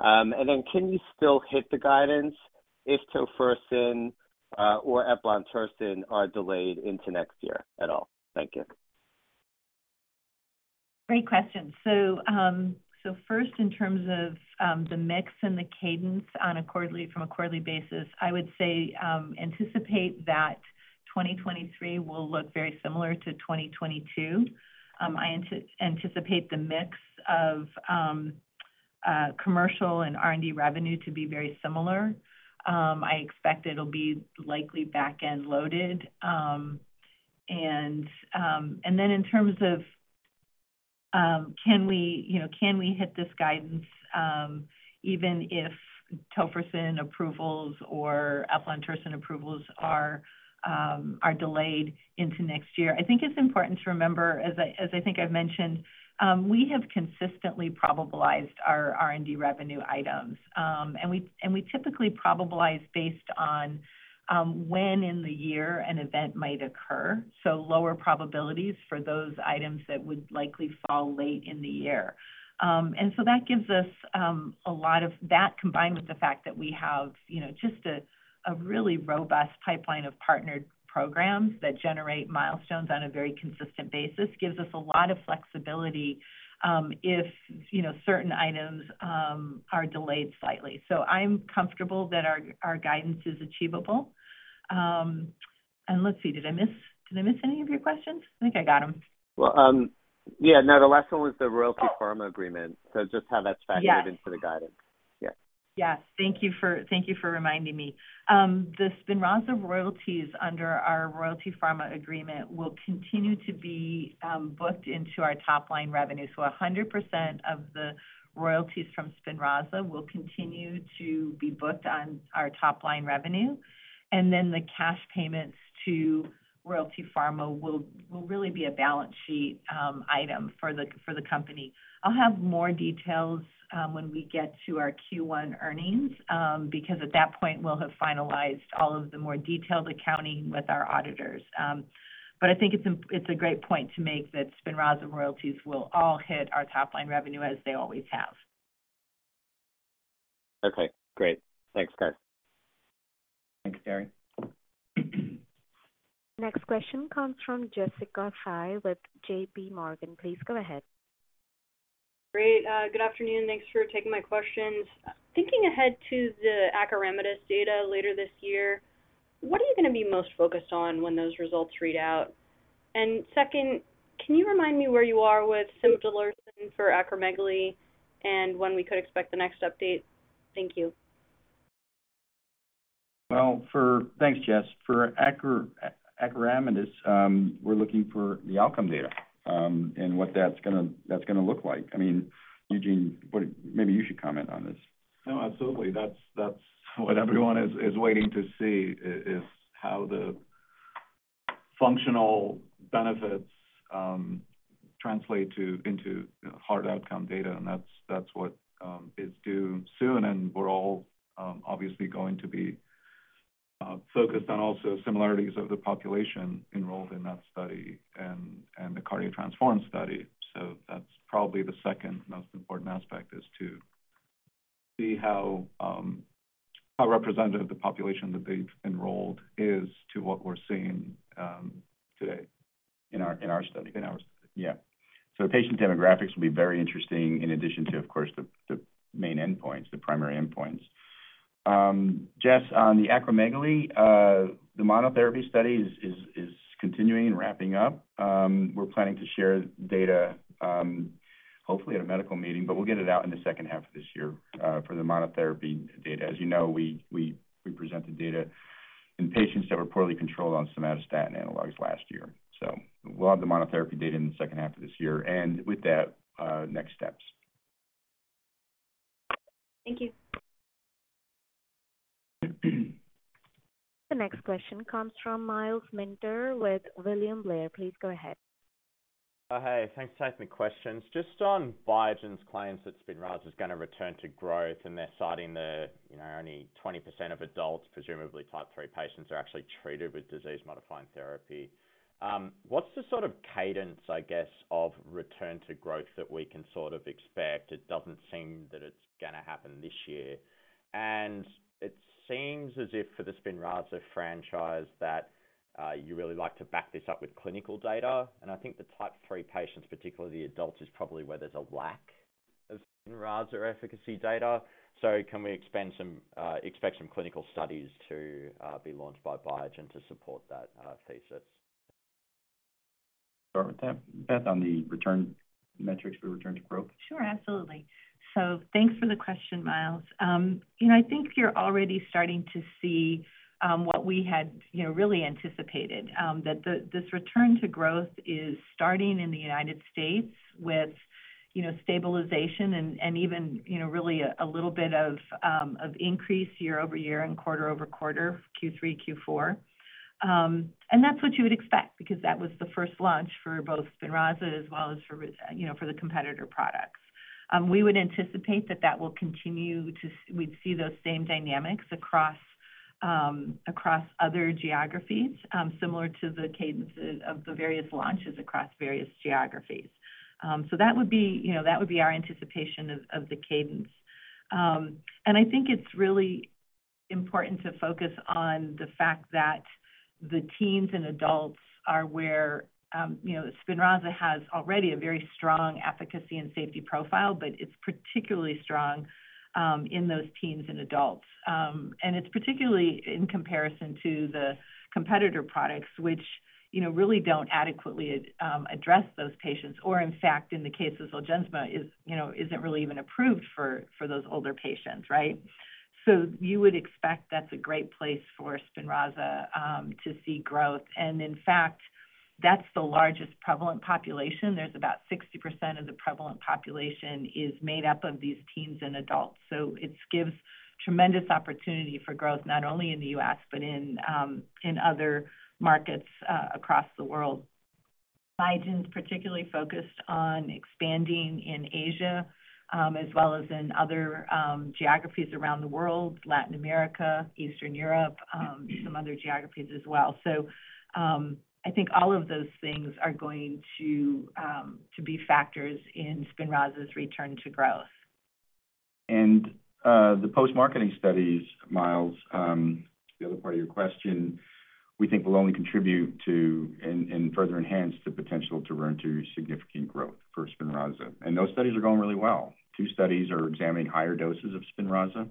Can you still hit the guidance if Tofersen or eplontersen are delayed into next year at all? Thank you. Great question. First, in terms of the mix and the cadence from a quarterly basis, I would say, anticipate that 2023 will look very similar to 2022. I anticipate the mix of commercial and R&D revenue to be very similar. I expect it'll be likely back-end loaded. And then in terms of, can we, you know, can we hit this guidance, even if Tofersen approvals or eplontersen approvals are delayed into next year? I think it's important to remember, as I think I've mentioned, we have consistently probabilized our R&D revenue items. And we typically probabilize based on when in the year an event might occur, so lower probabilities for those items that would likely fall late in the year. That gives us a lot of. That combined with the fact that we have, you know, just a really robust pipeline of partnered programs that generate milestones on a very consistent basis, gives us a lot of flexibility, if, you know, certain items are delayed slightly. I'm comfortable that our guidance is achievable. Let's see. Did I miss any of your questions? I think I got them. Yeah. No, the last one was the Royalty Pharma agreement. Oh. Just how that's factored. Yeah. into the guidance. Yeah. Yeah. Thank you for reminding me. The SPINRAZA royalties under our Royalty Pharma agreement will continue to be booked into our top-line revenue. 100% of the royalties from SPINRAZA will continue to be booked on our top-line revenue. The cash payments to Royalty Pharma will really be a balance sheet item for the company. I'll have more details when we get to our Q1 earnings, because at that point, we'll have finalized all of the more detailed accounting with our auditors. I think it's a great point to make that SPINRAZA royalties will all hit our top-line revenue as they always have. Okay, great. Thanks, guys. Thank you, Gary. Next question comes from Jessica Fye with JPMorgan. Please go ahead. Great. good afternoon. Thanks for taking my questions. Thinking ahead to the acoramidis data later this year, what are you gonna be most focused on when those results read out? Second, can you remind me where you are with cimdelirsen for acromegaly and when we could expect the next update? Thank you. Well, Thanks, Jess. For acoramidis, we're looking for the outcome data, and what that's gonna look like. I mean, Eugene, Maybe you should comment on this? No, absolutely. That's what everyone is waiting to see is how the functional benefits translate to, into hard outcome data, and that's what is due soon. We're all obviously going to be focused on also similarities of the population enrolled in that study and the CARDIO-TTRansform study. That's probably the second most important aspect, is to see how representative the population that they've enrolled is to what we're seeing today. In our study. In our study. Yeah. Patient demographics will be very interesting in addition to, of course, the main endpoints, the primary endpoints. Jess, on the acromegaly, the monotherapy study is continuing and wrapping up. We're planning to share data, hopefully at a medical meeting, but we'll get it out in the second half of this year, for the monotherapy data. As you know, we presented data in patients that were poorly controlled on somatostatin analogs last year. We'll have the monotherapy data in the second half of this year. With that, next steps. Thank you. The next question comes from Myles Minter with William Blair. Please go ahead. Hey. Thanks for taking the questions. Just on Biogen's claims that SPINRAZA is gonna return to growth, and they're citing the, you know, only 20% of adults, presumably type three patients, are actually treated with disease-modifying therapy. What's the sort of cadence, I guess, of return to growth that we can sort of expect? It doesn't seem that it's gonna happen this year. It seems as if for the SPINRAZA franchise that you really like to back this up with clinical data. I think the type three patients, particularly the adults, is probably where there's a lack of SPINRAZA efficacy data. Can we expect some clinical studies to be launched by Biogen to support that thesis? Start with that, Beth, metrics for return to growth? Sure. Absolutely. Thanks for the question, Myles. you know, I think you're already starting to see, what we had, you know, really anticipated. that this return to growth is starting in the United States with, you know, stabilization and even, you know, really a little bit of increase year-over-year and quarter-over-quarter, Q3, Q4. That's what you would expect, because that was the first launch for both SPINRAZA as well as for, you know, for the competitor products. We would anticipate that that will continue to we'd see those same dynamics across other geographies, similar to the cadences of the various launches across various geographies. That would be, you know, that would be our anticipation of the cadence. I think it's really important to focus on the fact that the teens and adults are where, you know, SPINRAZA has already a very strong efficacy and safety profile, but it's particularly strong in those teens and adults. It's particularly in comparison to the competitor products, which, you know, really don't adequately address those patients. In fact, in the case of Zolgensma is, you know, isn't really even approved for those older patients, right? You would expect that's a great place for SPINRAZA to see growth. In fact, that's the largest prevalent population. There's about 60% of the prevalent population is made up of these teens and adults. It's gives tremendous opportunity for growth, not only in the U.S., but in other markets across the world. Biogen's particularly focused on expanding in Asia, as well as in other, geographies around the world, Latin America, Eastern Europe, some other geographies as well. I think all of those things are going to be factors in SPINRAZA's return to growth. The post-marketing studies, Myles, the other part of your question, we think will only contribute to and further enhance the potential to return to significant growth for SPINRAZA. Those studies are going really well. Two studies are examining higher doses of SPINRAZA.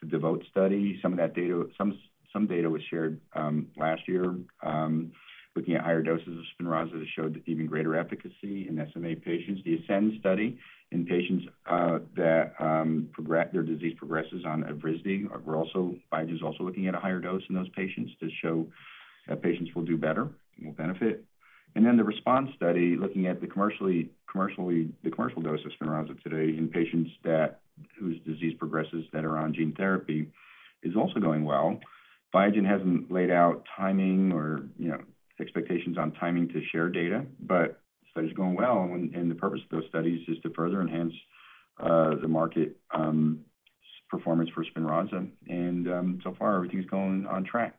The DEVOTE study, some data was shared last year, looking at higher doses of SPINRAZA that showed even greater efficacy in SMA patients. The ASCEND study in patients that their disease progresses on Evrysdi, Biogen's also looking at a higher dose in those patients to show that patients will do better and will benefit. The RESPOND study, looking at the commercial dose of SPINRAZA today in patients whose disease progresses that are on gene therapy is also going well. Biogen hasn't laid out timing or, you know, expectations on timing to share data, but study's going well. The purpose of those studies is to further enhance the market performance for SPINRAZA. So far, everything's going on track.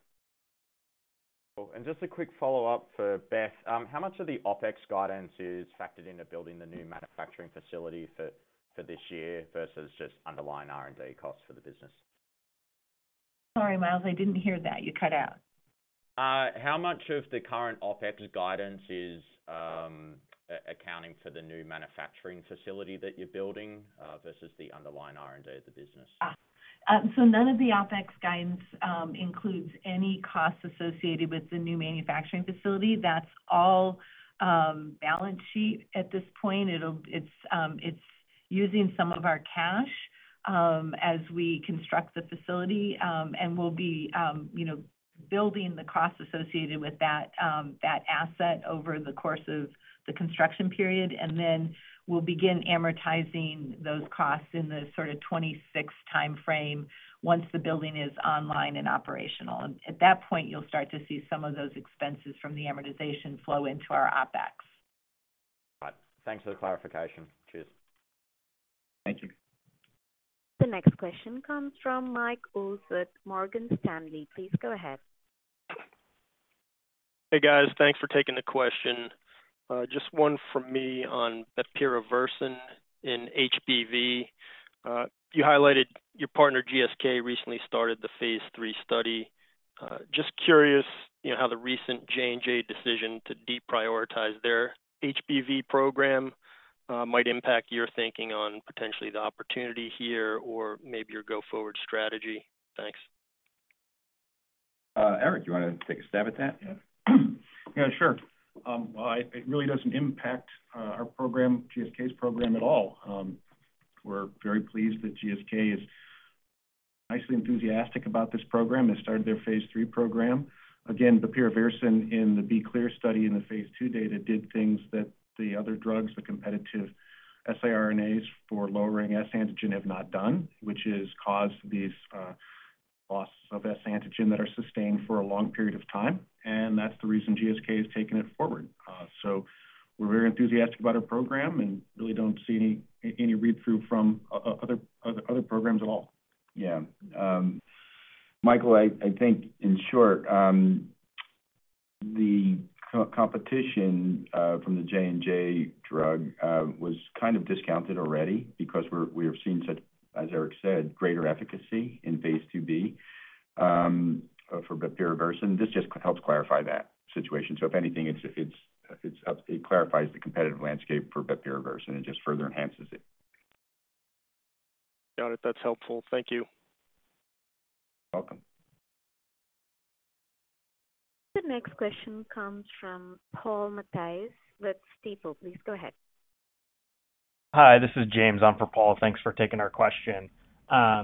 Cool. Just a quick follow-up for Beth. How much of the OpEx guidance is factored into building the new manufacturing facility for this year versus just underlying R&D costs for the business? Sorry, Myles, I didn't hear that. You cut out. How much of the current OpEx guidance is accounting for the new manufacturing facility that you're building versus the underlying R&D of the business? None of the OpEx guidance includes any costs associated with the new manufacturing facility. That's all balance sheet at this point. It's using some of our cash as we construct the facility. We'll be, you know, building the costs associated with that asset over the course of the construction period. We'll begin amortizing those costs in the sort of 2026 timeframe once the building is online and operational. At that point, you'll start to see some of those expenses from the amortization flow into our OpEx. Right. Thanks for the clarification. Cheers. Thank you. The next question comes from Michael Ulz with Morgan Stanley. Please go ahead. Hey, guys. Thanks for taking the question. Just one from me on bepirovirsen in HBV. You highlighted your partner, GSK, recently started the phase III study. Just curious, you know, how the recent J&J decision to deprioritize their HBV program might impact your thinking on potentially the opportunity here or maybe your go-forward strategy. Thanks. Eric, do you wanna take a stab at that? Yeah. Yeah, sure. Well, it really doesn't impact our program, GSK's program at all. We're very pleased that GSK is nicely enthusiastic about this program. They started their phase III program. Again, bepirovirsen in the B-Clear study in the phase II data did things that the other drugs, the competitive siRNAs for lowering S antigen have not done, which has caused these loss of S antigen that are sustained for a long period of time, and that's the reason GSK has taken it forward. We're very enthusiastic about our program and really don't see any read-through from other programs at all. Yeah. Michael, I think in short, the co-competition from the J&J drug was kind of discounted already because we have seen such, as Eric said, greater efficacy in phase IIb for bepirovirsen. This just helps clarify that situation. If anything, it's up... it clarifies the competitive landscape for bepirovirsen and just further enhances it. Got it. That's helpful. Thank you. You're welcome. The next question comes from Paul Matteis with Stifel. Please go ahead. Hi, this is James on for Paul. Thanks for taking our question.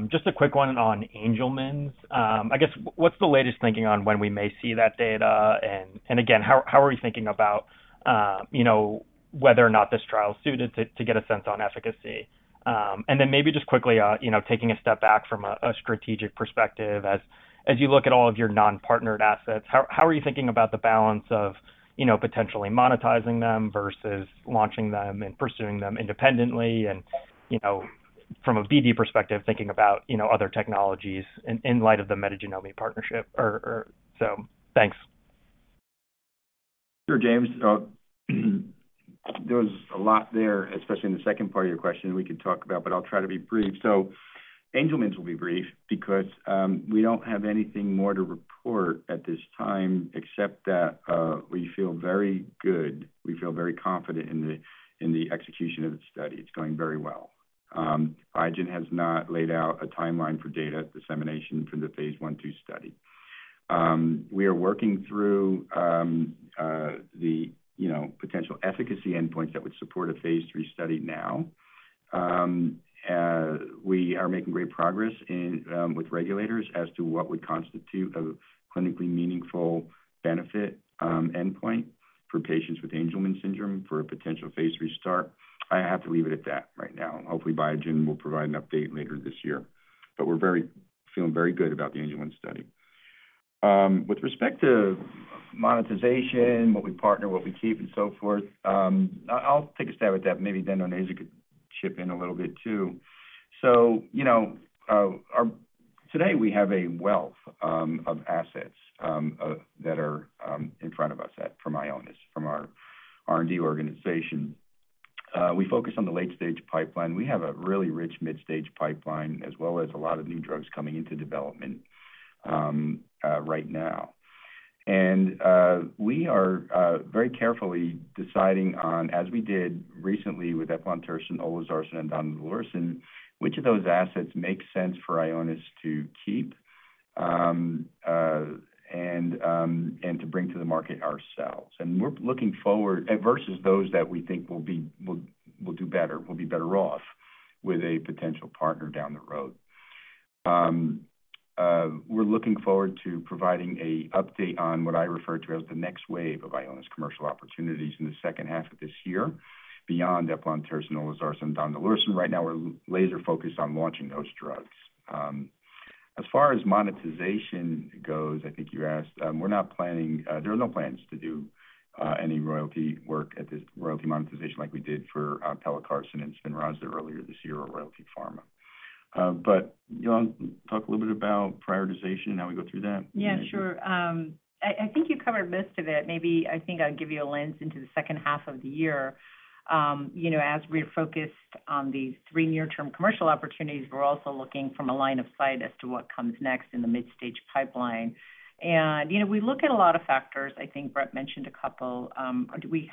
Just a quick one on Angelman's. I guess what's the latest thinking on when we may see that data and again, how are you thinking about, you know, whether or not this trial is suited to get a sense on efficacy? Maybe just quickly, you know, taking a step back from a strategic perspective as you look at all of your non-partnered assets, how are you thinking about the balance of, you know, potentially monetizing them versus launching them and pursuing them independently and, you know, from a BD perspective, thinking about, you know, other technologies in light of the Metagenomi partnership or… Thanks. Sure, James. There was a lot there, especially in the second part of your question we could talk about, but I'll try to be brief. Angelman's will be brief because we don't have anything more to report at this time except that we feel very good. We feel very confident in the execution of the study. It's going very well. Biogen has not laid out a timeline for data dissemination for the phase I/II study. We are working through the, you know, potential efficacy endpoints that would support a phase III study now. We are making great progress in with regulators as to what would constitute a clinically meaningful benefit endpoint for patients with Angelman syndrome for a potential phase III start. I have to leave it at that right now. Hopefully, Biogen will provide an update later this year, but we're feeling very good about the Angelman study. With respect to monetization, what we partner, what we keep, and so forth, I'll take a stab at that, and maybe then Onaiza could chip in a little bit too. You know, today we have a wealth of assets that are in front of us at, from Ionis, from our R&D organization. We focus on the late-stage pipeline. We have a really rich mid-stage pipeline as well as a lot of new drugs coming into development right now. We are very carefully deciding on, as we did recently with eplontersen, olezarsen, and donidalorsen, which of those assets make sense for Ionis to keep and to bring to the market ourselves. We're looking forward versus those that we think will do better, will be better off with a potential partner down the road. We're looking forward to providing a update on what I refer to as the next wave of Ionis commercial opportunities in the second half of this year beyond eplontersen, olezarsen, donidalorsen. Right now, we're laser focused on launching those drugs. As far as monetization goes, I think you asked, we're not planning. There are no plans to do any royalty work at this royalty monetization like we did for pelacarsen and SPINRAZA earlier this year or Royalty Pharma. You wanna talk a little bit about prioritization and how we go through that? Yeah, sure. I think you covered most of it. Maybe I think I'll give you a lens into the second half of the year. You know, as we're focused on these three near-term commercial opportunities, we're also looking from a line of sight as to what comes next in the mid-stage pipeline. You know, we look at a lot of factors. I think Brett mentioned a couple. Do we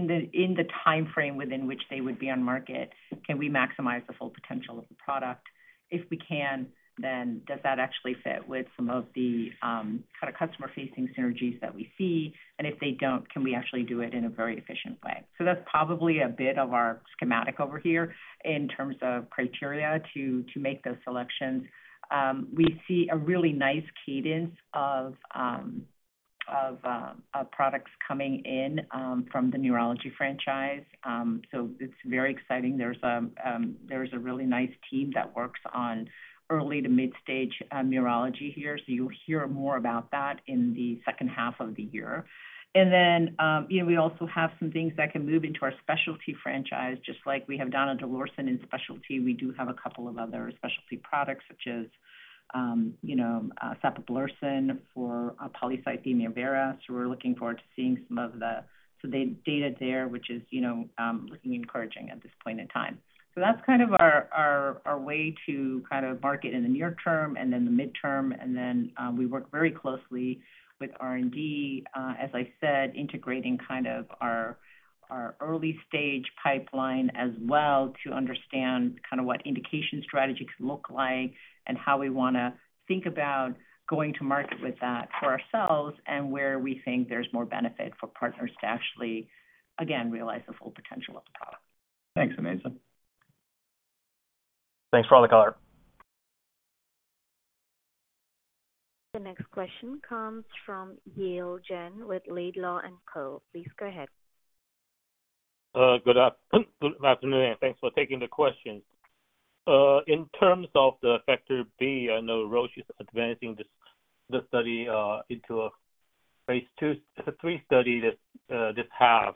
have, in the timeframe within which they would be on market, can we maximize the full potential of the product? If we can, then does that actually fit with some of the kinda customer-facing synergies that we see? If they don't, can we actually do it in a very efficient way? That's probably a bit of our schematic over here in terms of criteria to make those selections. We see a really nice cadence of products coming in from the neurology franchise. It's very exciting. There's a really nice team that works on early to mid-stage neurology here, so you'll hear more about that in the second half of the year. You know, we also have some things that can move into our specialty franchise. Just like we have donidalorsen in specialty, we do have a couple of other specialty products such as, you know, sapablursen for polycythemia vera. We're looking forward to seeing some of the data there, which is, you know, looking encouraging at this point in time. That's kind of our, our way to kind of market in the near term and then the mid term. We work very closely with R&D, as I said, integrating kind of our early stage pipeline as well to understand kind of what indication strategy could look like and how we want to think about going to market with that for ourselves and where we think there's more benefit for partners to actually, again, realize the full potential of the product. Thanks, Onaiza. Thanks for all the color. The next question comes from Yale Jen with Laidlaw & Company. Please go ahead. Good afternoon, and thanks for taking the question. In terms of the factor B, I know Roche is advancing this study into a phaseII, III study this half.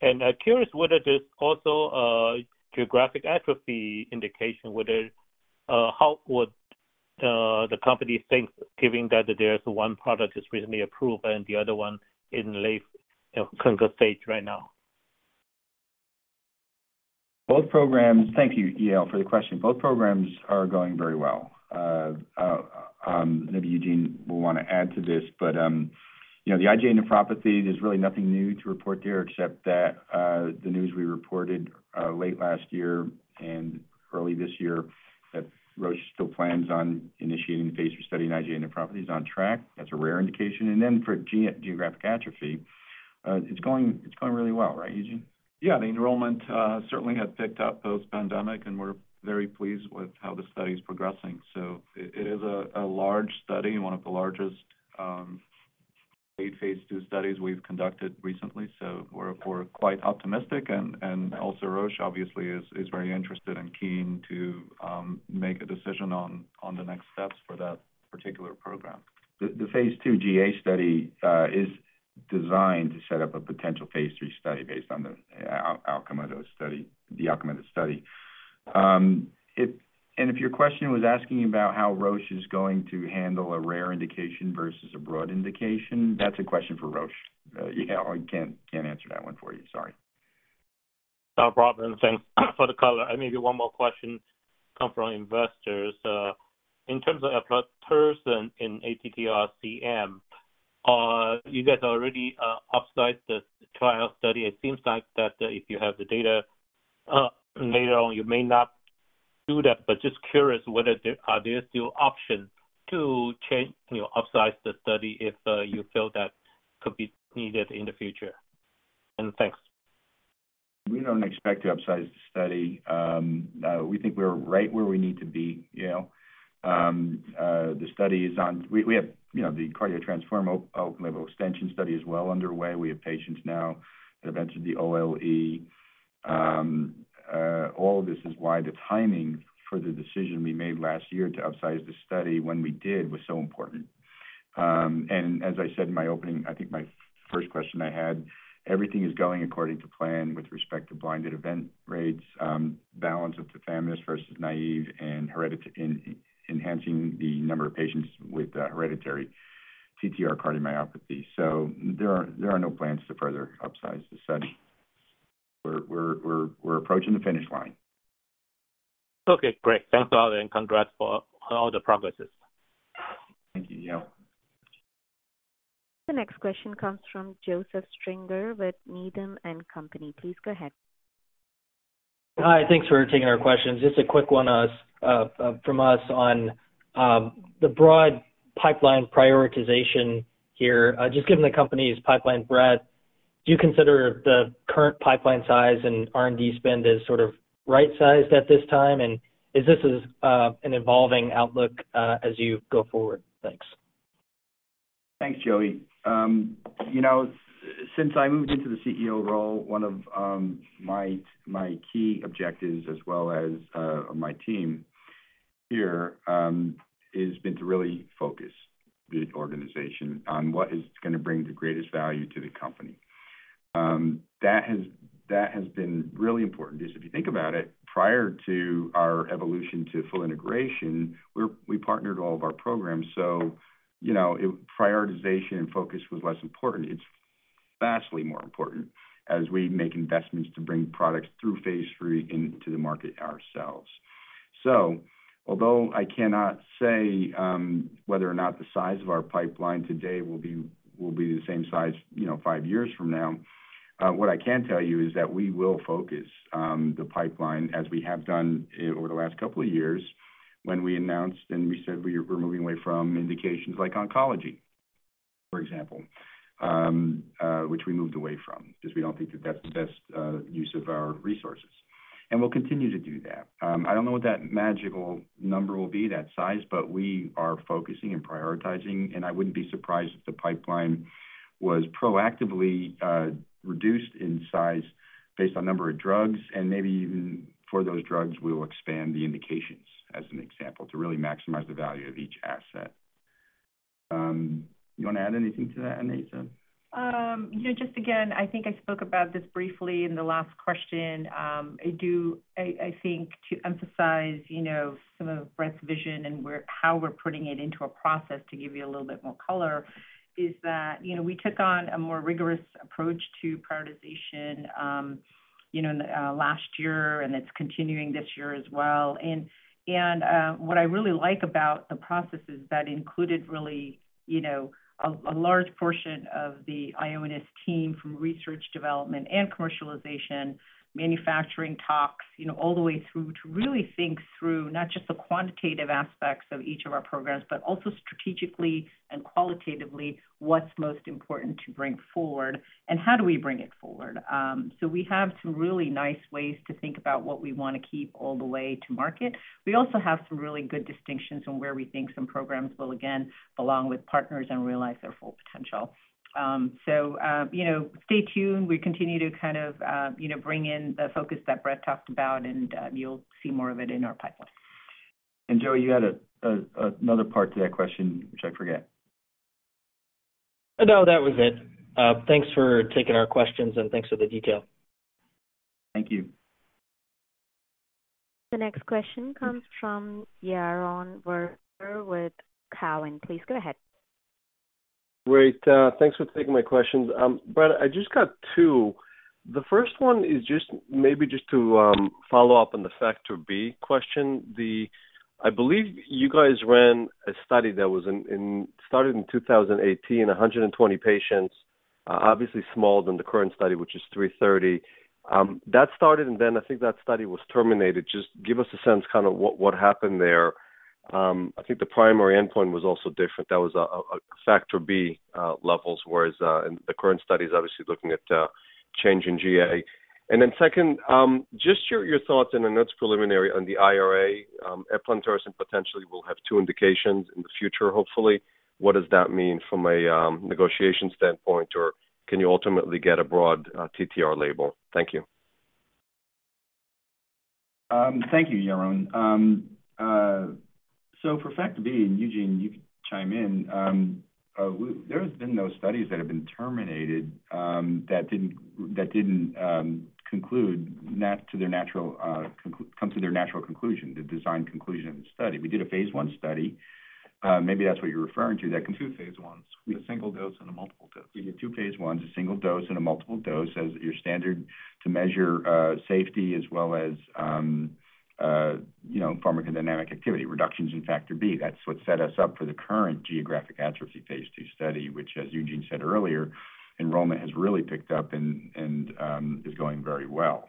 I'm curious whether there's also geographic atrophy indication, whether how would the company think giving that there's one product is recently approved and the other one in late clinical stage right now? Both programs. Thank you, Yale, for the question. Both programs are going very well. Maybe Eugene will want to add to this, but, you know, the IgA nephropathy, there's really nothing new to report there except that the news we reported late last year and early this year that Roche still plans on initiating the phase III study, IgA nephropathy is on track. That's a rare indication. For geographic atrophy, it's going really well. Right, Eugene? Yeah. The enrollment certainly has picked up post-pandemic, and we're very pleased with how the study is progressing. It is a large study, one of the largest late phase II studies we've conducted recently, so we're quite optimistic. Also Roche obviously is very interested and keen to make a decision on the next steps for that particular program. The phase II GA study is designed to set up a potential phase III study based on the outcome of the study. If your question was asking about how Roche is going to handle a rare indication versus a broad indication, that's a question for Roche. Yeah, I can't answer that one for you. Sorry. No problem. Thanks for the color. Maybe one more question come from investors. In terms of eplontersen in ATTR-CM, you guys already upsized the trial study. It seems like that, if you have the data, later on, you may not do that, but just curious whether there are still options to change, you know, upsize the study if you feel that could be needed in the future? Thanks. We don't expect to upsize the study. We think we're right where we need to be, Yale. The study is on... We have, you know, the CARDIO-TTRansform outcome level extension study is well underway. We have patients now that have entered the OLE. All of this is why the timing for the decision we made last year to upsize the study when we did was so important. And as I said in my opening, I think my first question I had, everything is going according to plan with respect to blinded event rates, balance of the tafamidis versus naive and in enhancing the number of patients with hereditary TTR cardiomyopathy. There are no plans to further upsize the study. We're approaching the finish line. Okay, great. Thanks a lot and congrats for all the progresses. Thank you, Yale. The next question comes from Joseph Stringer with Needham & Company. Please go ahead. Hi. Thanks for taking our questions. Just a quick one, from us on, the broad pipeline prioritization here. Just given the company's pipeline breadth, do you consider the current pipeline size and R&D spend as sort of right-sized at this time? Is this an evolving outlook, as you go forward? Thanks. Thanks, Joey. You know, since I moved into the CEO role, one of my key objectives as well as my team here has been to really focus the organization on what is gonna bring the greatest value to the company. That has been really important because if you think about it, prior to our evolution to full integration, we partnered all of our programs. You know, prioritization and focus was less important. It's vastly more important as we make investments to bring products through phase III into the market ourselves. Although I cannot say whether or not the size of our pipeline today will be the same size, you know, five years from now, what I can tell you is that we will focus the pipeline as we have done over the last couple of years when we announced and we said we're moving away from indications like oncology, for example, which we moved away from because we don't think that that's the best use of our resources. We'll continue to do that. I don't know what that magical number will be, that size, but we are focusing and prioritizing, and I wouldn't be surprised if the pipeline was proactively reduced in size based on number of drugs, and maybe even for those drugs, we'll expand the indications as an example to really maximize the value of each asset. You want to add anything to that, Onaiza? You know, just again, I think I spoke about this briefly in the last question. I think to emphasize, you know, some of Brett's vision and how we're putting it into a process to give you a little bit more color is that, you know, we took on a more rigorous approach to prioritization, you know, last year, and it's continuing this year as well. What I really like about the process is that included really, you know, a large portion of the Ionis team from research development and commercialization, manufacturing talks, you know, all the way through to really think through not just the quantitative aspects of each of our programs, but also strategically and qualitatively what's most important to bring forward and how do we bring it forward. We have some really nice ways to think about what we wanna keep all the way to market. We also have some really good distinctions on where we think some programs will again belong with partners and realize their full potential. You know, stay tuned. We continue to kind of, you know, bring in the focus that Brett talked about, and, you'll see more of it in our pipeline. Joey, you had a another part to that question which I forget. No, that was it. Thanks for taking our questions, and thanks for the detail. Thank you. The next question comes from Yaron Werber with Cowen. Please go ahead. Great. Thanks for taking my questions. Brett, I just got two. The first one is just maybe to follow up on the factor B question. I believe you guys ran a study that was started in 2018, 120 patients, obviously smaller than the current study, which is 330. That started. I think that study was terminated. Just give us a sense kind of what happened there. I think the primary endpoint was also different. That was a factor B levels, whereas in the current study is obviously looking at change in GA. Second, just your thoughts, I know it's preliminary, on the IRA. eplontersen potentially will have two indications in the future, hopefully. What does that mean from a negotiation standpoint, or can you ultimately get a broad TTR label? Thank you. Thank you, Yaron. For factor B, and Eugene, you can chime in, there have been no studies that have been terminated, that didn't come to their natural conclusion, the design conclusion of the study. We did a phase I study. Maybe that's what you're referring to. Two phase Is, a single dose and a multiple dose. We did two phase Is, a single dose and a multiple dose, as your standard to measure safety as well as, you know, pharmacodynamic activity, reductions in factor B. That's what set us up for the current geographic atrophy phase II study, which, as Eugene said earlier, enrollment has really picked up and is going very well.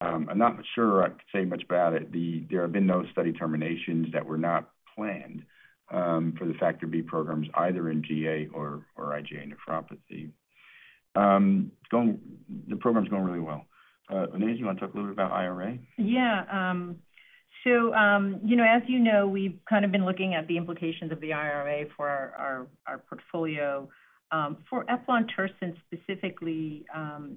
I'm not sure I can say much about it. There have been no study terminations that were not planned for the factor B programs either in GA or IgA nephropathy. The program's going really well. Onaiza, you wanna talk a little bit about IRA? You know, as you know, we've kind of been looking at the implications of the IRA for our portfolio. For eplontersen specifically,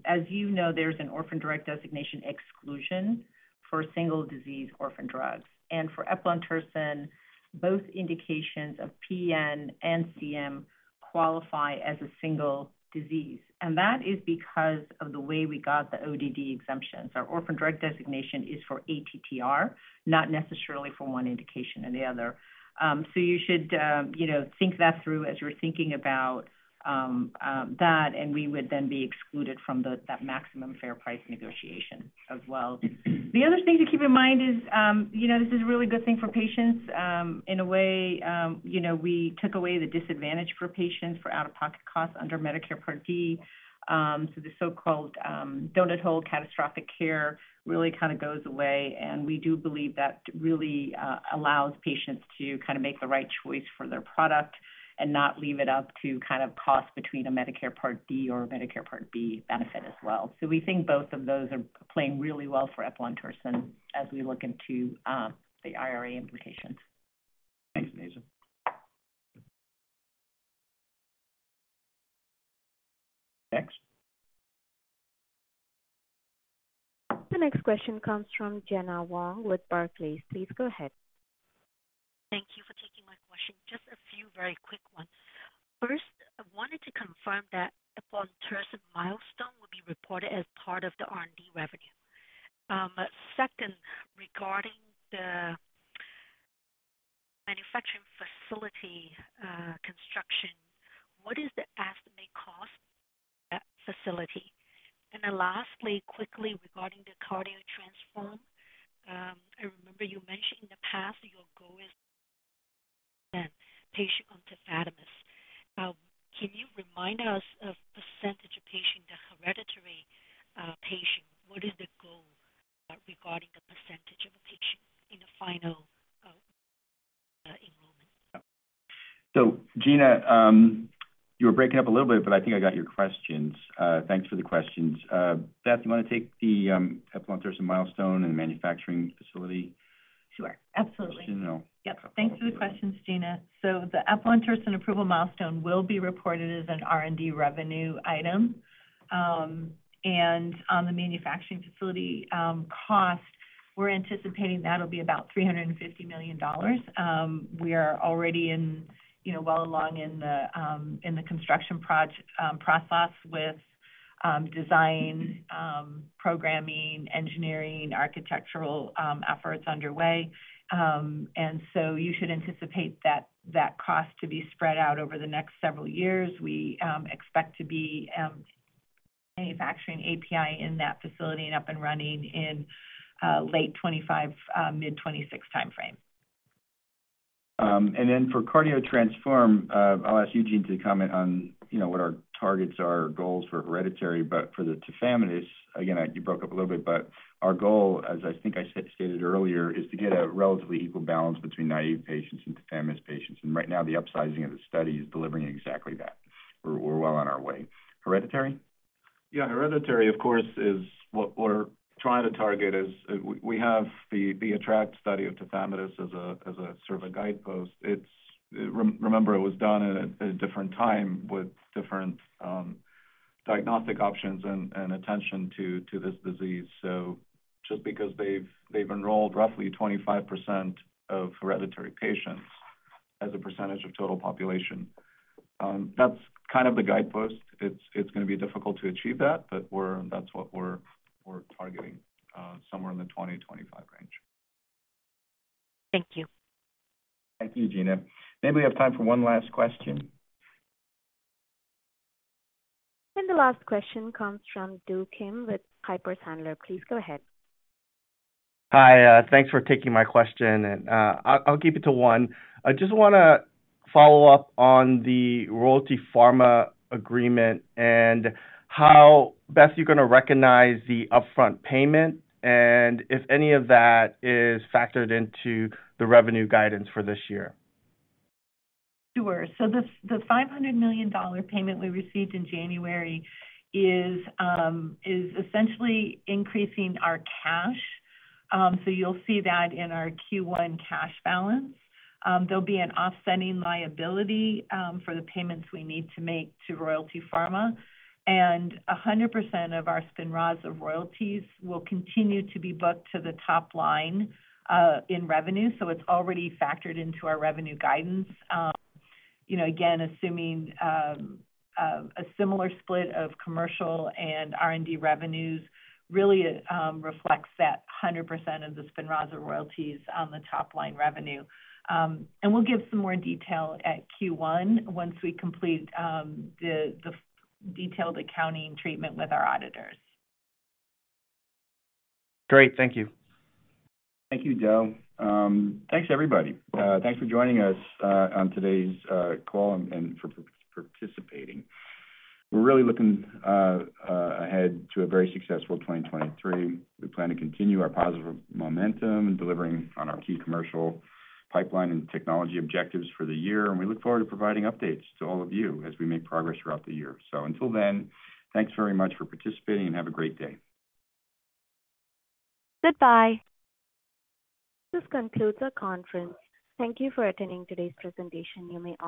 as you know, there's an orphan drug designation exclusion for single disease orphan drugs. For eplontersen, both indications of PN and CM qualify as a single disease. That is because of the way we got the ODD exemptions. Our orphan drug designation is for ATTR, not necessarily for one indication or the other. You should, you know, think that through as you're thinking about that, and we would then be excluded from that maximum fair price negotiation as well. The other thing to keep in mind is, you know, this is a really good thing for patients. In a way, you know, we took away the disadvantage for patients for out-of-pocket costs under Medicare Part D. The so-called donut hole catastrophic care really kind of goes away. We do believe that really allows patients to kind of make the right choice for their product and not leave it up to kind of cost between a Medicare Part D or a Medicare Part B benefit as well. We think both of those are playing really well for eplontersen as we look into the IRA implications. Thanks, Onaiza. Next. The next question comes from Gena Wang with Barclays. Please go ahead. Thank you for taking my question. Just a few very quick ones. First, I wanted to confirm that eplontersen milestone will be reported as part of the R&D revenue. Second, regarding the manufacturing facility, construction, what is the estimated cost of that facility? Lastly, quickly regarding the CARDIO-TTRansform, I remember you mentioned in the past that your goal is 10 patient on tafamidis. Can you remind us of % of patient, the hereditary, patient? What is the goal regarding the % of the patient in the final, enrollment? Gena, you were breaking up a little bit, but I think I got your questions. Thanks for the questions. Beth, you wanna take the eplontersen milestone and the manufacturing facility? Sure. Absolutely. Just so you know. Yep. Thanks for the question, Gena. The upfront person approval milestone will be reported as an R&D revenue item. On the manufacturing facility cost, we're anticipating that'll be about $350 million. We are already in, you know, well along in the construction process with design, programming, engineering, architectural efforts underway. You should anticipate that cost to be spread out over the next several years. We expect to be manufacturing API in that facility and up and running in late 2025, mid 2026 timeframe. Then for CARDIO-TTRansform, I'll ask Eugene to comment on, you know, what our targets are or goals for hereditary. For the tafamidis, again, you broke up a little bit, but our goal, as I think I stated earlier, is to get a relatively equal balance between naive patients and tafamidis patients. Right now, the upsizing of the study is delivering exactly that. We're well on our way. Hereditary? Yeah. Hereditary, of course, is what we're trying to target is we have the ATTR-ACT study of tafamidis as a sort of a guidepost. It's. Remember it was done at a different time with different diagnostic options and attention to this disease. Just because they've enrolled roughly 25% of hereditary patients as a percentage of total population, that's kind of the guidepost. It's gonna be difficult to achieve that, but that's what we're targeting somewhere in the 20%-25% range. Thank you. Thank you, Gena. Maybe we have time for one last question. The last question comes from Do Kim with Piper Sandler. Please go ahead. Hi. Thanks for taking my question. I'll keep it to one. I just wanna follow up on the Royalty Pharma agreement and how best you're gonna recognize the upfront payment and if any of that is factored into the revenue guidance for this year? Sure. So the $500 million payment we received in January is essentially increasing our cash, so you'll see that in our Q1 cash balance. There'll be an offsetting liability for the payments we need to make to Royalty Pharma. A 100% of our SPINRAZA royalties will continue to be booked to the top line in revenue, so it's already factored into our revenue guidance. You know, again, assuming a similar split of commercial and R&D revenues really reflects that 100% of the SPINRAZA royalties on the top-line revenue. We'll give some more detail at Q1 once we complete the detailed accounting treatment with our auditors. Great. Thank you. Thank you, Do. Thanks, everybody. Thanks for joining us on today's call and for participating. We're really looking ahead to a very successful 2023. We plan to continue our positive momentum in delivering on our key commercial pipeline and technology objectives for the year, and we look forward to providing updates to all of you as we make progress throughout the year. Until then, thanks very much for participating and have a great day. Goodbye. This concludes our conference. Thank you for attending today's presentation. You may all disconnect.